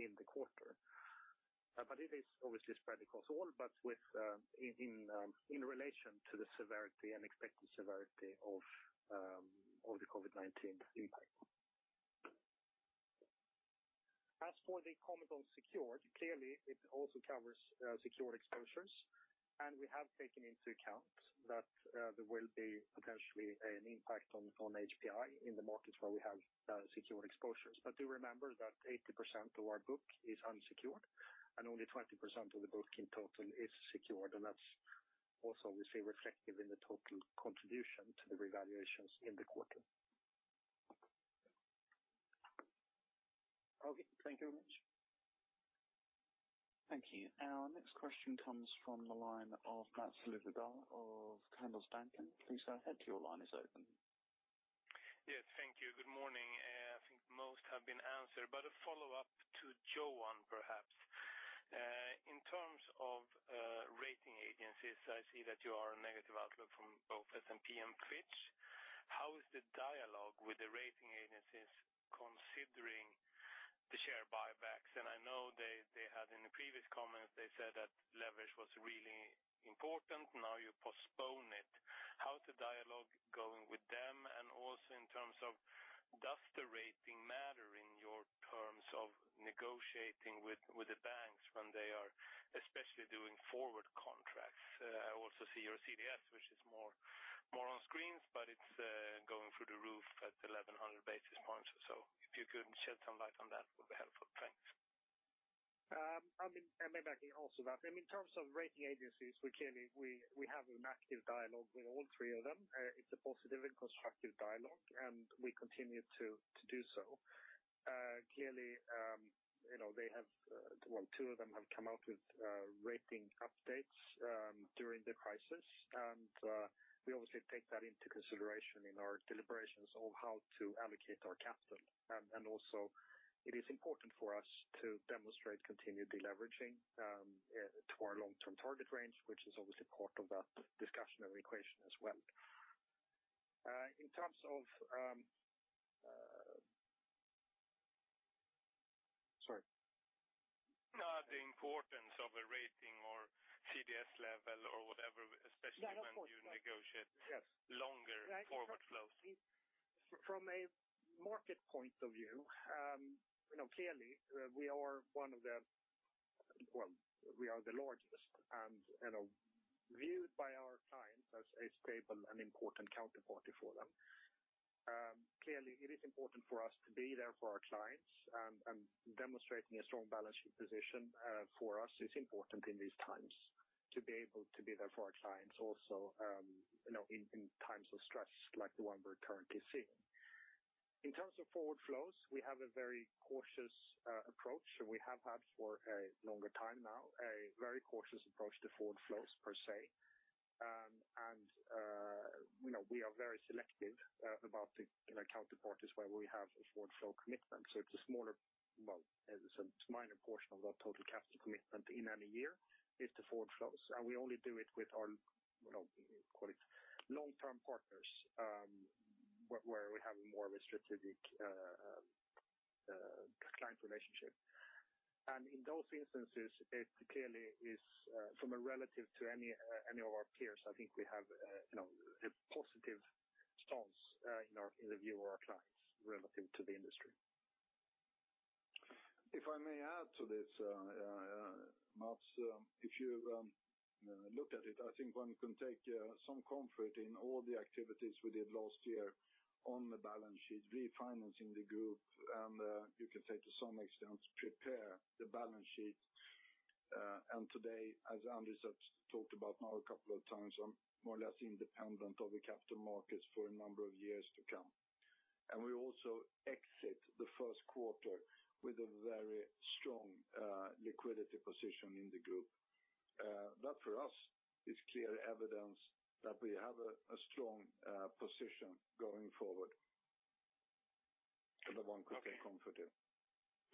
in the quarter. It is obviously spread across all, but in relation to the severity and expected severity of the COVID-19 impact. As for the comment on secured, clearly it also covers secured exposures, and we have taken into account that there will be potentially an impact on HPI in the markets where we have secured exposures. Do remember that 80% of our book is unsecured, and only 20% of the book in total is secured, and that is also obviously reflective in the total contribution to the revaluations in the quarter. Okay. Thank you very much. Thank you. Our next question comes from the line of Mats Liljedahl of Handelsbanken. Please go ahead to your line. It is open. Yes. Thank you. Good morning. I think most have been answered, but a follow-up to Johan, perhaps. In terms of rating agencies, I see that you are on negative outlook from both S&P and Fitch. How is the dialogue with the rating agencies considering the share buybacks? I know they had in the previous comments, they said that leverage was really important. Now you postpone it. How is the dialogue going with them? Also in terms of, does the rating matter in your terms of negotiating with the banks when they are especially doing forward contracts? I also see your CDS, which is more on screens, but it is going through the roof at 1,100 basis points. If you could shed some light on that, it would be helpful. Thanks. I may back in also that. I mean, in terms of rating agencies, we have an active dialogue with all three of them. It is a positive and constructive dialogue, and we continue to do so. Clearly, they have—well, two of them have come out with rating updates during the crisis, and we obviously take that into consideration in our deliberations of how to allocate our capital. It is important for us to demonstrate continued deleveraging to our long-term target range, which is obviously part of that discussion and equation as well. In terms of—sorry. The importance of a rating or CDS level or whatever, especially when you negotiate longer forward flows. From a market point of view, clearly, we are one of the—well, we are the largest and viewed by our clients as a stable and important counterparty for them. Clearly, it is important for us to be there for our clients, and demonstrating a strong balance sheet position for us is important in these times to be able to be there for our clients also in times of stress like the one we're currently seeing. In terms of forward flows, we have a very cautious approach, and we have had for a longer time now, a very cautious approach to forward flows per se. We are very selective about the counterparties where we have a forward flow commitment. It is a smaller, well, it is a minor portion of our total capital commitment in any year is to forward flows. We only do it with our, what do you call it, long-term partners where we have a more strategic client relationship. In those instances, it clearly is, from a relative to any of our peers, I think we have a positive stance in the view of our clients relative to the industry. If I may add to this, Mats, if you look at it, I think one can take some comfort in all the activities we did last year on the balance sheet, refinancing the group, and you can say to some extent prepare the balance sheet. As Anders has talked about now a couple of times, I am more or less independent of the capital markets for a number of years to come. We also exit the first quarter with a very strong liquidity position in the group. That for us is clear evidence that we have a strong position going forward. That I want to take comfort in.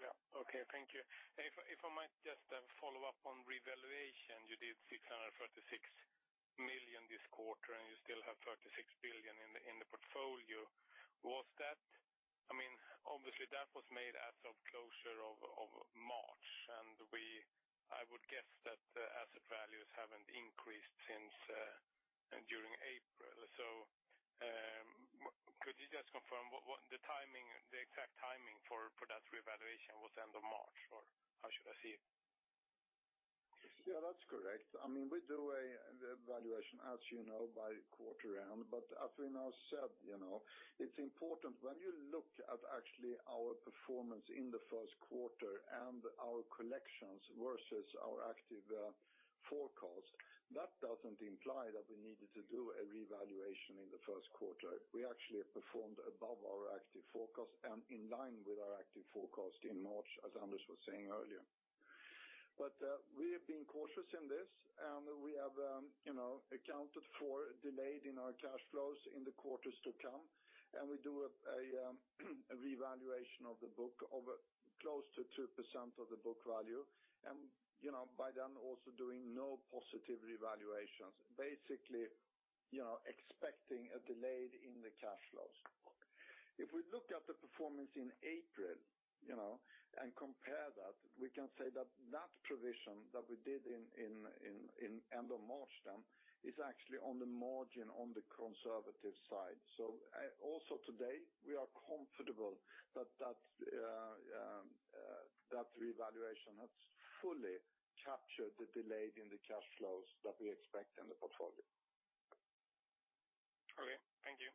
Yeah. Okay. Thank you. If I might just follow up on revaluation, you did 636 million this quarter, and you still have 36 billion in the portfolio. I mean, obviously, that was made as of closure of March, and I would guess that asset values haven't increased since during April. Could you just confirm the exact timing for that revaluation was end of March, or how should I see it? Yeah, that's correct. I mean, we do a revaluation, as you know, by quarter end. As we now said, it's important when you look at actually our performance in the first quarter and our collections versus our active forecast, that doesn't imply that we needed to do a revaluation in the first quarter. We actually performed above our active forecast and in line with our active forecast in March, as Anders was saying earlier. We have been cautious in this, and we have accounted for delayed in our cash flows in the quarters to come. We do a revaluation of the book of close to 2% of the book value and by then also doing no positive revaluations, basically expecting a delay in the cash flows. If we look at the performance in April and compare that, we can say that that provision that we did in end of March then is actually on the margin on the conservative side. Also today, we are comfortable that that revaluation has fully captured the delay in the cash flows that we expect in the portfolio. Okay. Thank you.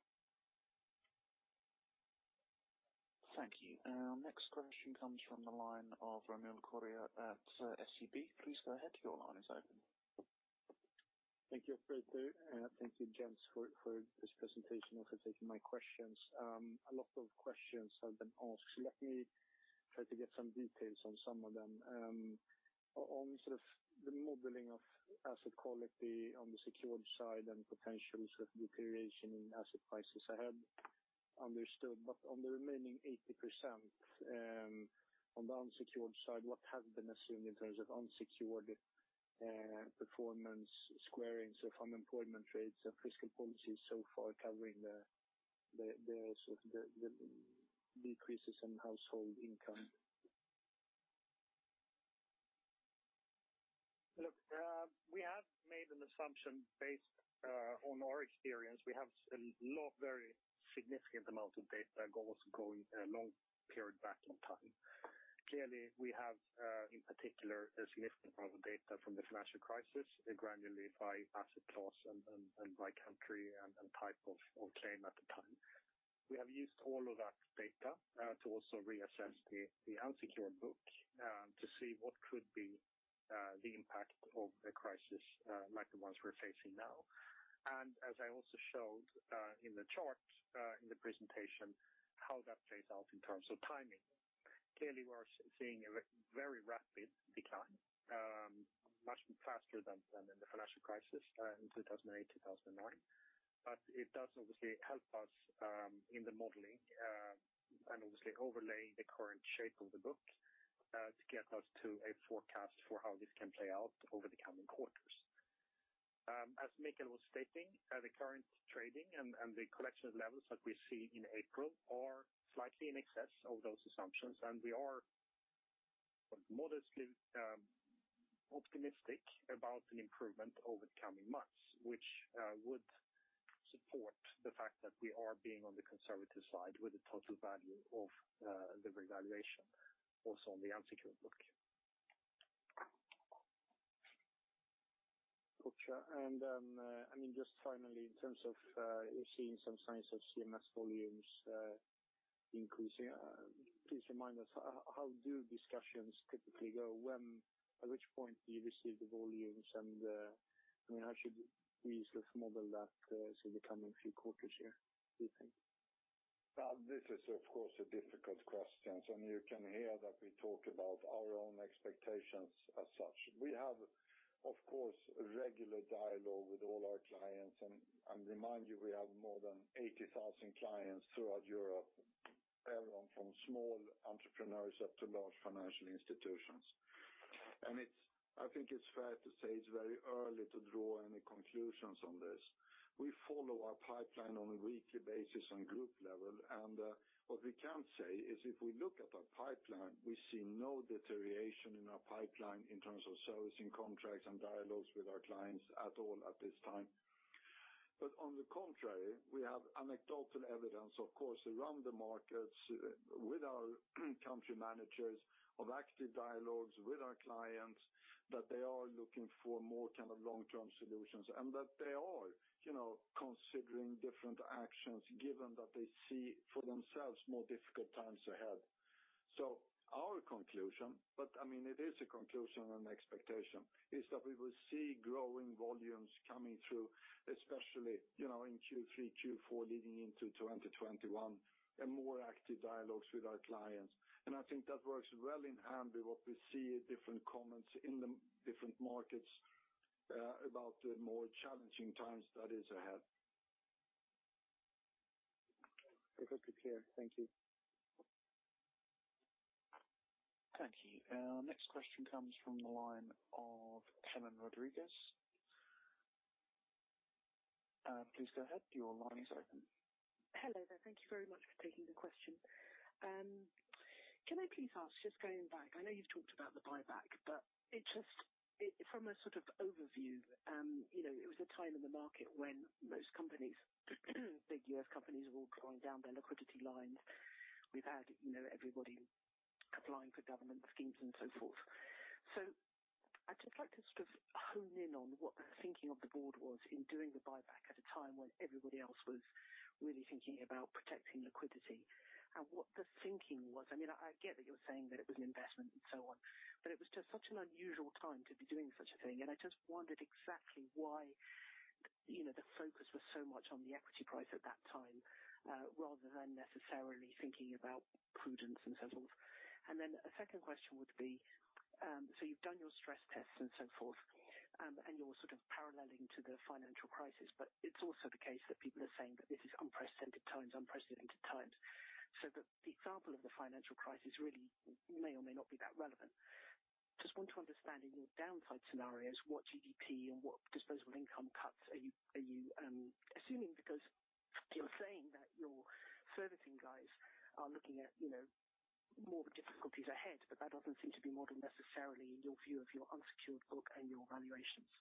Thank you. Next question comes from the line of Ramil Koria at SEB. Please go ahead. Your line is open. Thank you, Viktor. Thank you, gents, for this presentation and for taking my questions. A lot of questions have been asked, so let me try to get some details on some of them. On sort of the modeling of asset quality on the secured side and potential sort of deterioration in asset prices ahead, understood. On the remaining 80% on the unsecured side, what has been assumed in terms of unsecured performance squaring sort of unemployment rates and fiscal policies so far covering the sort of the decreases in household income? Look, we have made an assumption based on our experience. We have a very significant amount of data going a long period back in time. Clearly, we have in particular a significant amount of data from the financial crisis, granularly by asset class and by country and type of claim at the time. We have used all of that data to also reassess the unsecured book to see what could be the impact of the crisis like the ones we're facing now. As I also showed in the chart in the presentation, how that plays out in terms of timing. Clearly, we are seeing a very rapid decline, much faster than in the financial crisis in 2008, 2009. It does obviously help us in the modeling and obviously overlaying the current shape of the book to get us to a forecast for how this can play out over the coming quarters. As Mikael was stating, the current trading and the collection levels that we see in April are slightly in excess of those assumptions, and we are modestly optimistic about an improvement over the coming months, which would support the fact that we are being on the conservative side with the total value of the revaluation also on the unsecured book. Gotcha. I mean, just finally, in terms of seeing some signs of CMS volumes increasing, please remind us, how do discussions typically go? At which point do you receive the volumes? I mean, how should we sort of model that sort of the coming few quarters here, do you think? This is, of course, a difficult question, and you can hear that we talk about our own expectations as such. We have, of course, regular dialogue with all our clients. I remind you, we have more than 80,000 clients throughout Europe, everyone from small entrepreneurs up to large financial institutions. I think it's fair to say it's very early to draw any conclusions on this. We follow our pipeline on a weekly basis on group level, and what we can say is if we look at our pipeline, we see no deterioration in our pipeline in terms of servicing contracts and dialogues with our clients at all at this time. On the contrary, we have anecdotal evidence, of course, around the markets with our country managers of active dialogues with our clients that they are looking for more kind of long-term solutions and that they are considering different actions given that they see for themselves more difficult times ahead. Our conclusion, but I mean, it is a conclusion and an expectation, is that we will see growing volumes coming through, especially in Q3, Q4 leading into 2021, and more active dialogues with our clients. I think that works well in hand with what we see in different comments in the different markets about the more challenging times that is ahead. Perfectly clear. Thank you. Thank you. Next question comes from the line of Helen Rodriguez. Please go ahead. Your line is open. Hello, there. Thank you very much for taking the question. Can I please ask, just going back, I know you've talked about the buyback, but just from a sort of overview, it was a time in the market when most companies, big U.S. companies, were all drawing down their liquidity lines. We've had everybody applying for government schemes and so forth. I'd just like to sort of hone in on what the thinking of the board was in doing the buyback at a time when everybody else was really thinking about protecting liquidity and what the thinking was. I mean, I get that you're saying that it was an investment and so on, but it was just such an unusual time to be doing such a thing. I just wondered exactly why the focus was so much on the equity price at that time rather than necessarily thinking about prudence and so forth. A second question would be, you've done your stress tests and so forth, and you're sort of paralleling to the financial crisis, but it's also the case that people are saying that this is unprecedented times, unprecedented times. The example of the financial crisis really may or may not be that relevant. I just want to understand in your downside scenarios, what GDP and what disposable income cuts are you assuming? Because you're saying that your servicing guys are looking at more difficulties ahead, but that does not seem to be modeled necessarily in your view of your unsecured book and your valuations.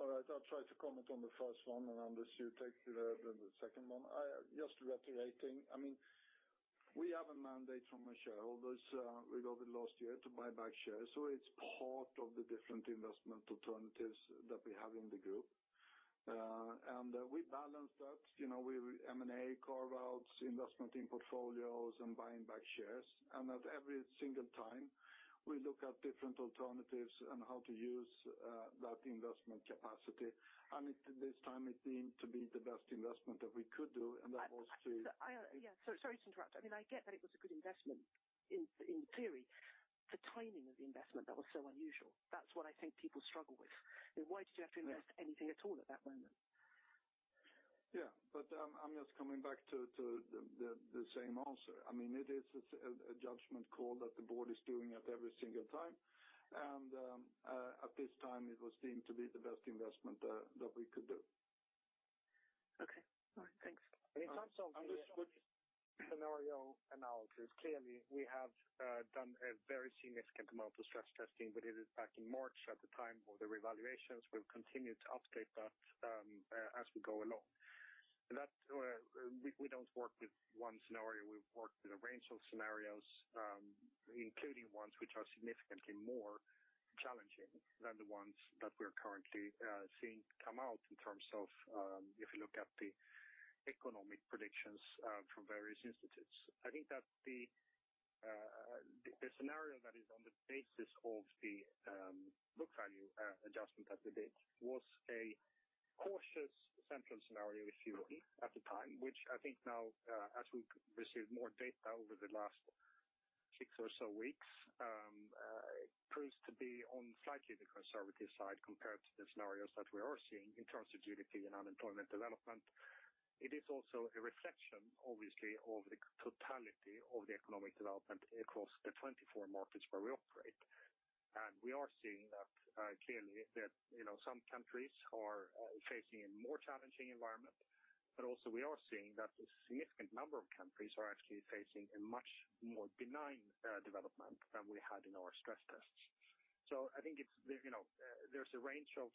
All right. I'll try to comment on the first one, and Anders, you take the second one. Just reiterating, I mean, we have a mandate from our shareholders regarding last year to buy back shares. It is part of the different investment alternatives that we have in the group. We balance that with M&A carve-outs, investment in portfolios, and buying back shares. At every single time, we look at different alternatives and how to use that investment capacity. This time, it seemed to be the best investment that we could do, and that was to. Yeah. Sorry to interrupt. I mean, I get that it was a good investment in theory. The timing of the investment, that was so unusual. That's what I think people struggle with. Why did you have to invest anything at all at that moment? Yeah. I'm just coming back to the same answer. I mean, it is a judgment call that the board is doing at every single time. At this time, it was deemed to be the best investment that we could do. Okay. All right. Thanks. In terms of the scenario analysis, clearly, we have done a very significant amount of stress testing, but it is back in March at the time of the revaluations. We'll continue to update that as we go along. We don't work with one scenario. We work with a range of scenarios, including ones which are significantly more challenging than the ones that we're currently seeing come out in terms of if you look at the economic predictions from various institutes. I think that the scenario that is on the basis of the book value adjustment that we did was a cautious central scenario, if you will, at the time, which I think now, as we've received more data over the last six or so weeks, proves to be on slightly the conservative side compared to the scenarios that we are seeing in terms of GDP and unemployment development. It is also a reflection, obviously, of the totality of the economic development across the 24 markets where we operate. We are seeing that clearly that some countries are facing a more challenging environment, but also we are seeing that a significant number of countries are actually facing a much more benign development than we had in our stress tests. I think there is a range of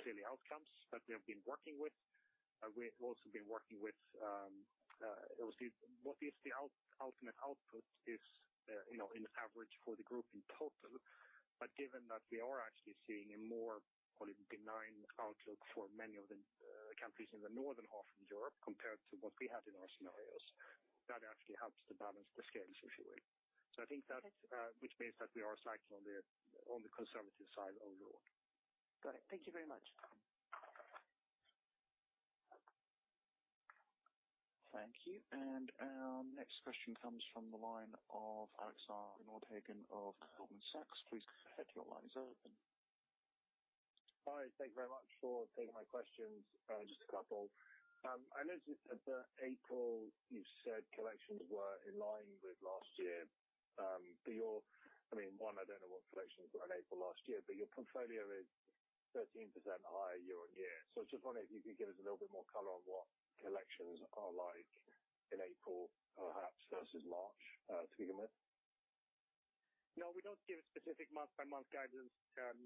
clearly outcomes that we have been working with. We have also been working with what is the ultimate output in average for the group in total. Given that we are actually seeing a more benign outlook for many of the countries in the northern half of Europe compared to what we had in our scenarios, that actually helps to balance the scales, if you will. I think that which means that we are slightly on the conservative side overall. Got it. Thank you very much. Thank you. Next question comes from the line of Alexander Nordhagen of Goldman Sachs. Please go ahead. Your line is open. Hi. Thank you very much for taking my questions. Just a couple. I noticed that April, you said collections were in line with last year. I mean, one, I do not know what collections were in April last year, but your portfolio is 13% higher year-on-year. I was just wondering if you could give us a little bit more color on what collections are like in April, perhaps, versus March to begin with. No, we do not give specific month-by-month guidance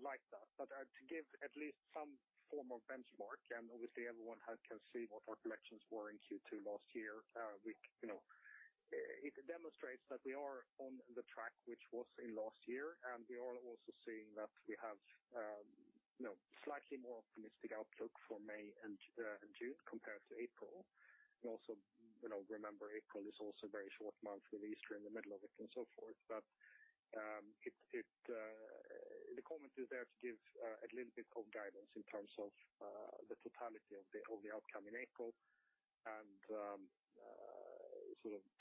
like that, but to give at least some form of benchmark, and obviously, everyone can see what our collections were in Q2 last year, it demonstrates that we are on the track which was in last year. We are also seeing that we have slightly more optimistic outlook for May and June compared to April. Also remember, April is a very short month with Easter in the middle of it and so forth. The comment is there to give a little bit of guidance in terms of the totality of the outcome in April and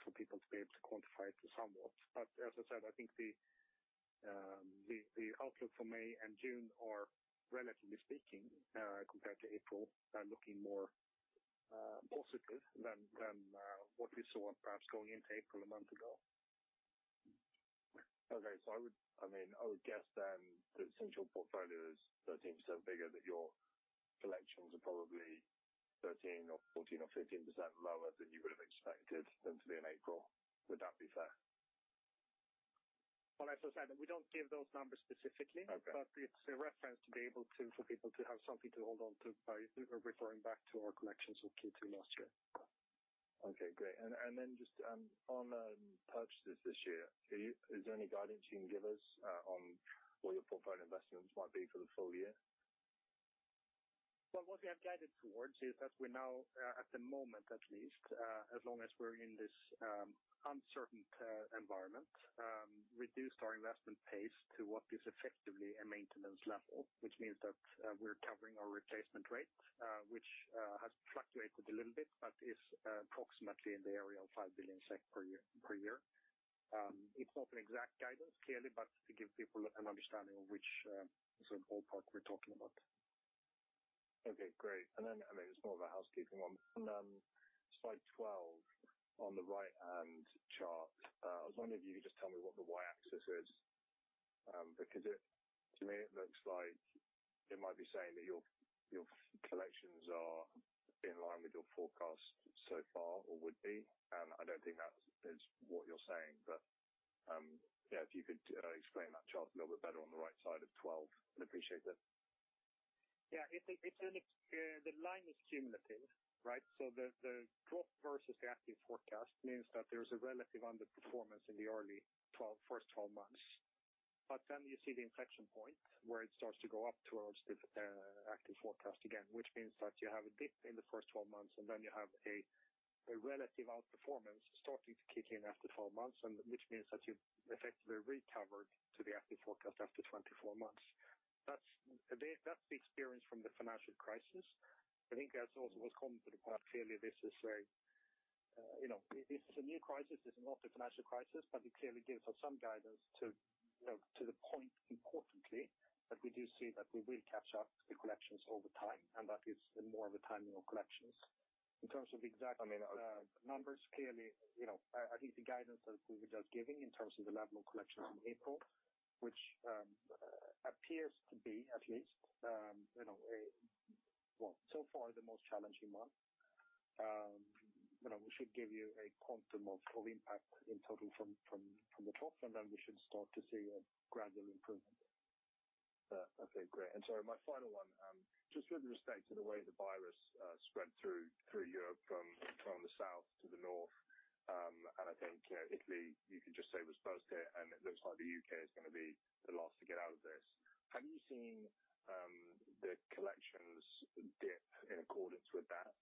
for people to be able to quantify it somewhat. As I said, I think the outlook for May and June are, relatively speaking, compared to April, looking more positive than what we saw perhaps going into April a month ago. Okay. I mean, I would guess then the central portfolio is 13% bigger, that your collections are probably 13% or 14% or 15% lower than you would have expected them to be in April. Would that be fair? As I said, we do not give those numbers specifically, but it is a reference to be able for people to have something to hold on to by referring back to our collections of Q2 last year. Okay. Great. Just on purchases this year, is there any guidance you can give us on what your portfolio investments might be for the full year? What we have guided towards is that we now, at the moment at least, as long as we are in this uncertain environment, have reduced our investment pace to what is effectively a maintenance level, which means that we are covering our replacement rate, which has fluctuated a little bit but is approximately in the area of 5 billion SEK per year. It is not an exact guidance, clearly, but to give people an understanding of which sort of ballpark we are talking about. Okay. Great. I mean, it's more of a housekeeping one. On slide 12 on the right-hand chart, I was wondering if you could just tell me what the Y-axis is because to me, it looks like it might be saying that your collections are in line with your forecast so far or would be. I don't think that is what you're saying. If you could explain that chart a little bit better on the right side of 12, I'd appreciate it. Yeah. The line is cumulative, right? The drop versus the active forecast means that there's a relative underperformance in the early first 12 months. You see the inflection point where it starts to go up towards the active forecast again, which means that you have a dip in the first 12 months, and then you have a relative outperformance starting to kick in after 12 months, which means that you've effectively recovered to the active forecast after 24 months. That's the experience from the financial crisis. I think that's also what's common to the. Clearly, this is a new crisis. It's not the financial crisis, but it clearly gives us some guidance to the point importantly that we do see that we will catch up the collections over time and that it's more of a timing of collections. In terms of exact. I mean, numbers, clearly, I think the guidance that we were just giving in terms of the level of collections in April, which appears to be, at least, so far the most challenging one, should give you a quantum of impact in total from the top, and then we should start to see a gradual improvement. Okay. Great. My final one, just with respect to the way the virus spread through Europe from the south to the north, and I think Italy, you could just say, was first here, and it looks like the U.K. is going to be the last to get out of this. Have you seen the collections dip in accordance with that?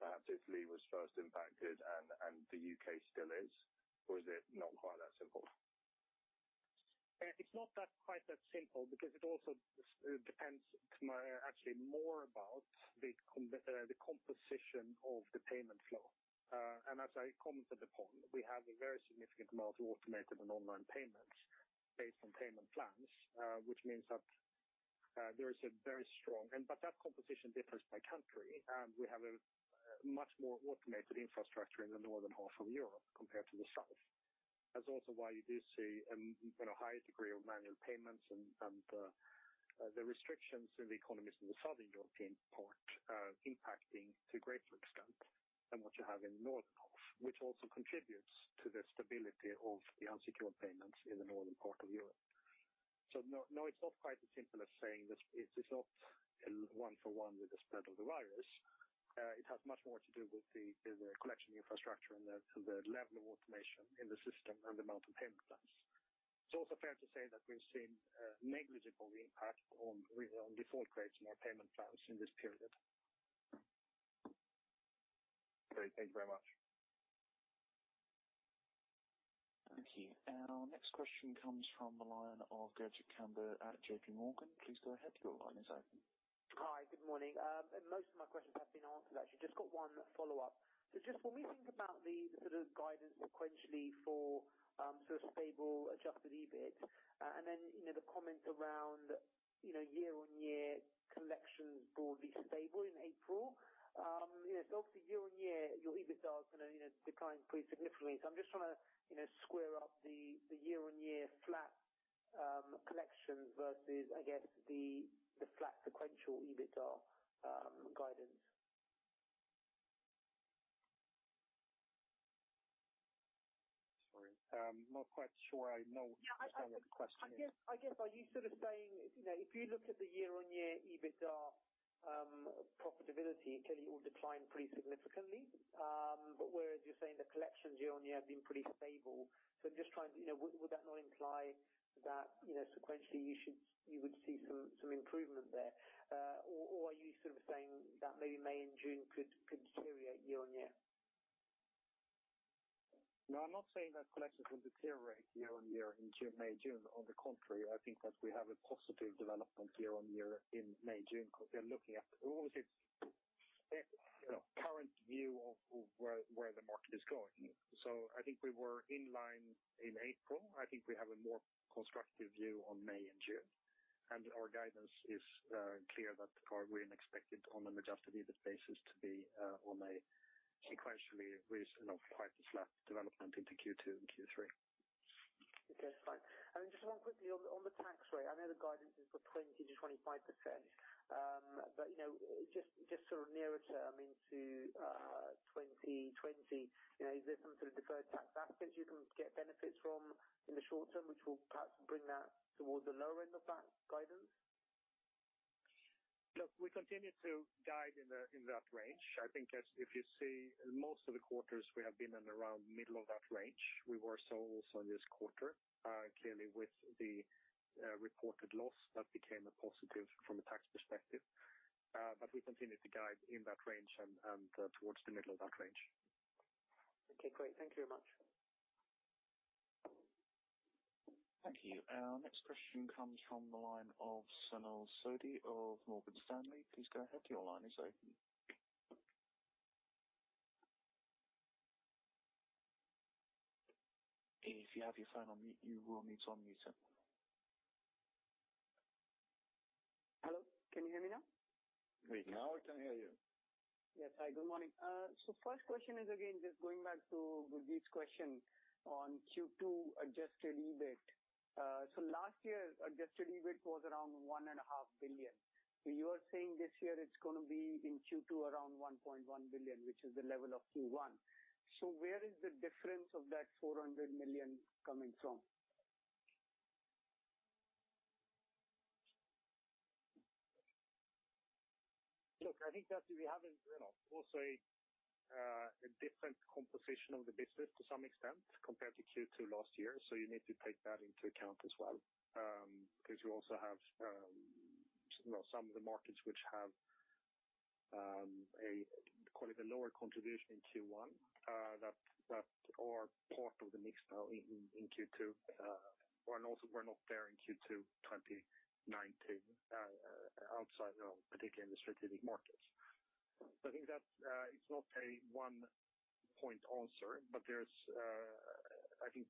Perhaps Italy was first impacted and the U.K. still is, or is it not quite that simple? It's not quite that simple because it also depends actually more about the composition of the payment flow. As I commented upon, we have a very significant amount of automated and online payments based on payment plans, which means that there is a very strong and, but that composition differs by country. We have a much more automated infrastructure in the northern half of Europe compared to the south. That is also why you do see a higher degree of manual payments and the restrictions in the economies in the southern European part impacting to a greater extent than what you have in the northern half, which also contributes to the stability of the unsecured payments in the northern part of Europe. No, it's not quite as simple as saying it's not one-for-one with the spread of the virus. It has much more to do with the collection infrastructure and the level of automation in the system and the amount of payment plans. It's also fair to say that we've seen negligible impact on default rates in our payment plans in this period. Okay. Thank you very much. Thank you. Our next question comes from the line of Gurjit Kambo at JPMorgan. Please go ahead. Your line is open. Hi. Good morning. Most of my questions have been answered, actually. Just got one follow-up. Just when we think about the sort of guidance sequentially for sort of stable adjusted EBIT and then the comments around year-on-year collections broadly stable in April, obviously, year-on-year, your EBITDA is going to decline pretty significantly. I'm just trying to square up the year-on-year flat collections versus, I guess, the flat sequential EBITDA guidance. Sorry. Not quite sure I know. Yeah. I guess. I guess are you sort of saying if you look at the year-on-year EBITDA profitability, it clearly will decline pretty significantly. Whereas you're saying the collections year-on-year have been pretty stable, so I'm just trying to would that not imply that sequentially you would see some improvement there? Are you sort of saying that maybe May and June could deteriorate year-on-year? No, I'm not saying that collections will deteriorate year-on-year in May, June. On the contrary, I think that we have a positive development year-on-year in May, June. We're looking at, obviously, its current view of where the market is going. I think we were in line in April. I think we have a more constructive view on May and June. Our guidance is clear that we're expected on an adjusted EBIT basis to be on a sequentially quite a flat development into Q2 and Q3. Okay. Fine. Just one quickly on the tax rate. I know the guidance is for 20%-25%, but just sort of nearer term into 2020, is there some sort of deferred tax assets you can get benefits from in the short term, which will perhaps bring that towards the lower end of that guidance? Look, we continue to guide in that range. I think if you see most of the quarters, we have been in around the middle of that range. We were so also in this quarter, clearly, with the reported loss that became a positive from a tax perspective. We continue to guide in that range and towards the middle of that range. Okay. Great. Thank you very much. Thank you. Our next question comes from the line of Sonal Sodhi of Morgan Stanley. Please go ahead. Your line is open. If you have your phone on mute, you will need to unmute it. Hello? Can you hear me now? Now I can hear you. Yes. Hi. Good morning. First question is, again, just going back to this question on Q2 adjusted EBIT. Last year, adjusted EBIT was around 1.5 billion. You are saying this year it is going to be in Q2 around 1.1 billion, which is the level of Q1. Where is the difference of that 400 million coming from? Look, I think that we have a different composition of the business to some extent compared to Q2 last year. You need to take that into account as well because you also have some of the markets which have a, call it, a lower contribution in Q1 that are part of the mix now in Q2. They were not there in Q2 2019 outside of particularly in the strategic markets. I think that it's not a one-point answer, but I think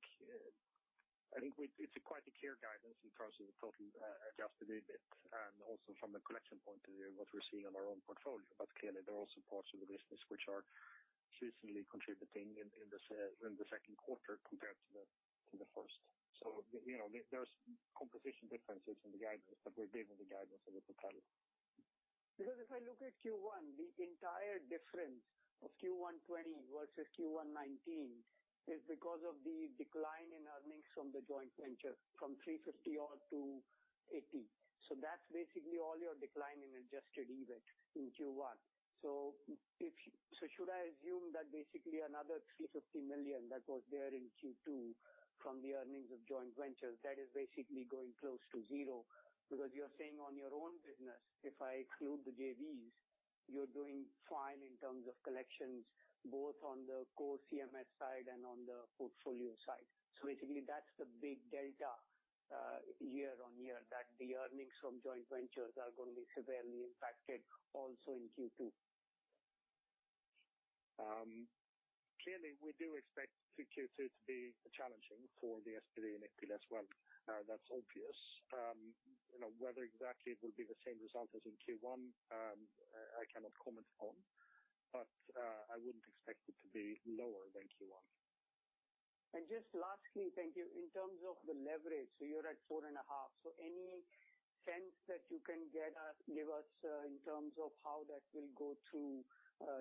it's quite a clear guidance in terms of the total adjusted EBIT and also from the collection point of view, what we're seeing on our own portfolio. Clearly, there are also parts of the business which are decently contributing in the second quarter compared to the first. There are composition differences in the guidance, but we're giving the guidance of the portfolio. Because if I look at Q1, the entire difference of Q1 2020 versus Q1 2019 is because of the decline in earnings from the joint venture from 350 million odd to 80 million. That is basically all your decline in adjusted EBIT in Q1. Should I assume that basically another 350 million that was there in Q2 from the earnings of joint ventures, that is basically going close to zero? You are saying on your own business, if I exclude the JVs, you are doing fine in terms of collections both on the core CMS side and on the portfolio side. That is the big delta year-on-year that the earnings from joint ventures are going to be severely impacted also in Q2. Clearly, we do expect Q2 to be challenging for the SPV in Italy as well. That is obvious. Whether exactly it will be the same result as in Q1, I cannot comment upon, but I would not expect it to be lower than Q1. Just lastly, thank you, in terms of the leverage, you are at 4.5. Any sense that you can give us in terms of how that will go through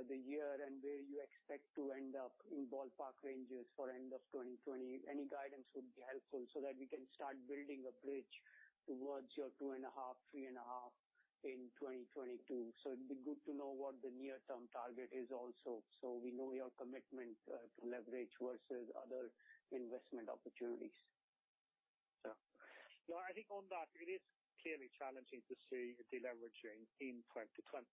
the year and where you expect to end up in ballpark ranges for end of 2020? Any guidance would be helpful so that we can start building a bridge towards your 2.5-3.5 in 2022. It would be good to know what the near-term target is also, so we know your commitment to leverage versus other investment opportunities. Yeah. No, I think on that, it is clearly challenging to see deleveraging in 2020.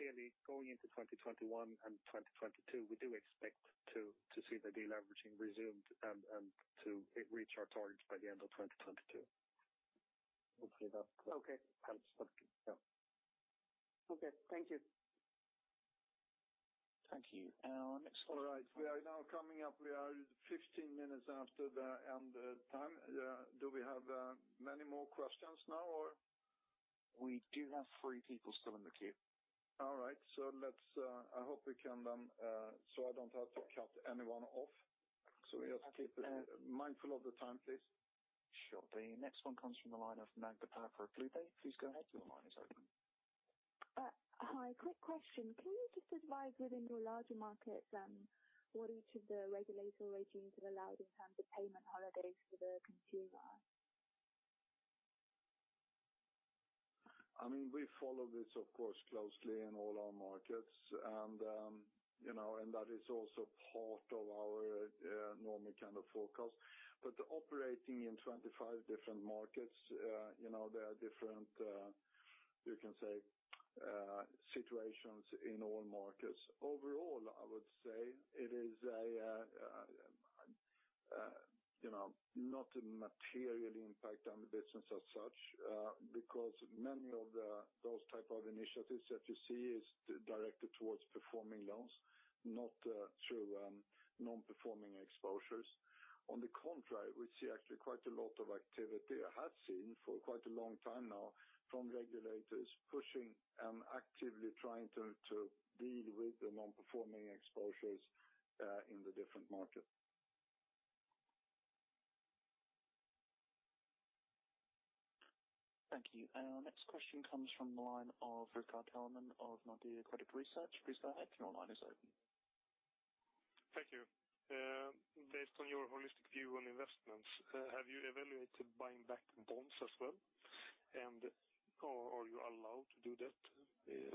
Clearly, going into 2021 and 2022, we do expect to see the deleveraging resumed and to reach our targets by the end of 2022. Hopefully, that helps. Yeah. Okay. Thank you. Thank you. Our next question. All right. We are now coming up. We are 15 minutes after the end time. Do we have many more questions now, or? We do have three people still in the queue. All right. I hope we can then so I do not have to cut anyone off. Just keep mindful of the time, please. Sure. The next one comes from the line of Magdalena Polan for BlueBay. Please go ahead. Your line is open. Hi. Quick question. Can you just advise within your larger markets what each of the regulatory regimes have allowed in terms of payment holidays for the consumer? I mean, we follow this, of course, closely in all our markets, and that is also part of our normal kind of forecast. Operating in 25 different markets, there are different, you can say, situations in all markets. Overall, I would say it is not a material impact on the business as such because many of those types of initiatives that you see are directed towards performing loans, not through non-performing exposures. On the contrary, we see actually quite a lot of activity I have seen for quite a long time now from regulators pushing and actively trying to deal with the non-performing exposures in the different markets. Thank you. Our next question comes from the line of Rickard Hellman of Nordea Credit Research. Please go ahead. Your line is open. Thank you. Based on your holistic view on investments, have you evaluated buying back bonds as well? Are you allowed to do that,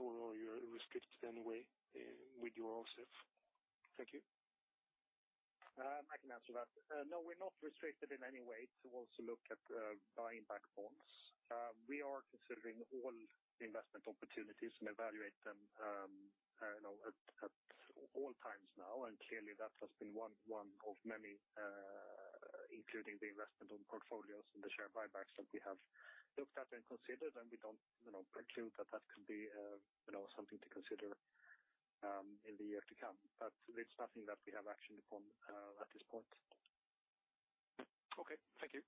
or are you restricted in any way with your RCF? Thank you. I can answer that. No, we're not restricted in any way to also look at buying back bonds. We are considering all investment opportunities and evaluate them at all times now. Clearly, that has been one of many, including the investment on portfolios and the share buybacks that we have looked at and considered. We do not preclude that that could be something to consider in the year to come. It is nothing that we have action upon at this point. Thank you.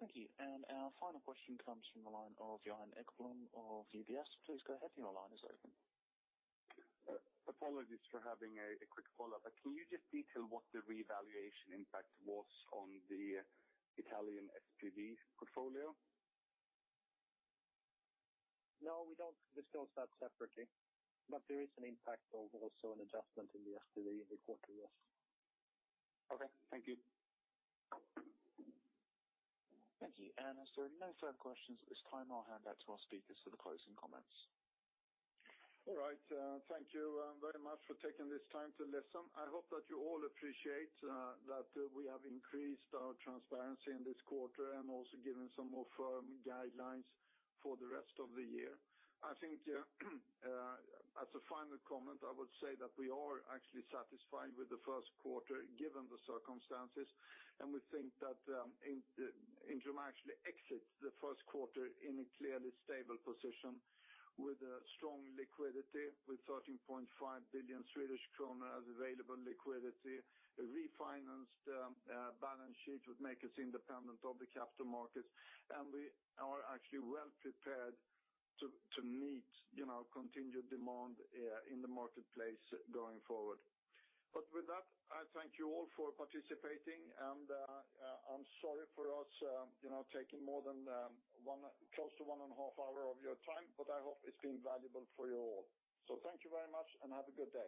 Thank you. Our final question comes from the line of Johan Ekblom of UBS. Please go ahead. Your line is open. Apologies for having a quick follow-up. Can you just detail what the revaluation impact was on the Italian SPV portfolio? No, we don't discuss that separately. There is an impact of also an adjustment in the SPV in the quarter, yes. Okay. Thank you. Thank you. If there are no further questions at this time, I'll hand back to our speakers for the closing comments. All right. Thank you very much for taking this time to listen. I hope that you all appreciate that we have increased our transparency in this quarter and also given some of our guidelines for the rest of the year. I think as a final comment, I would say that we are actually satisfied with the first quarter given the circumstances. We think that Intrum actually exits the first quarter in a clearly stable position with strong liquidity, with 13.5 billion Swedish kronor as available liquidity. A refinanced balance sheet would make us independent of the capital markets. We are actually well prepared to meet continued demand in the marketplace going forward. With that, I thank you all for participating. I'm sorry for us taking more than close to one and a half hour of your time, but I hope it's been valuable for you all. Thank you very much and have a good day.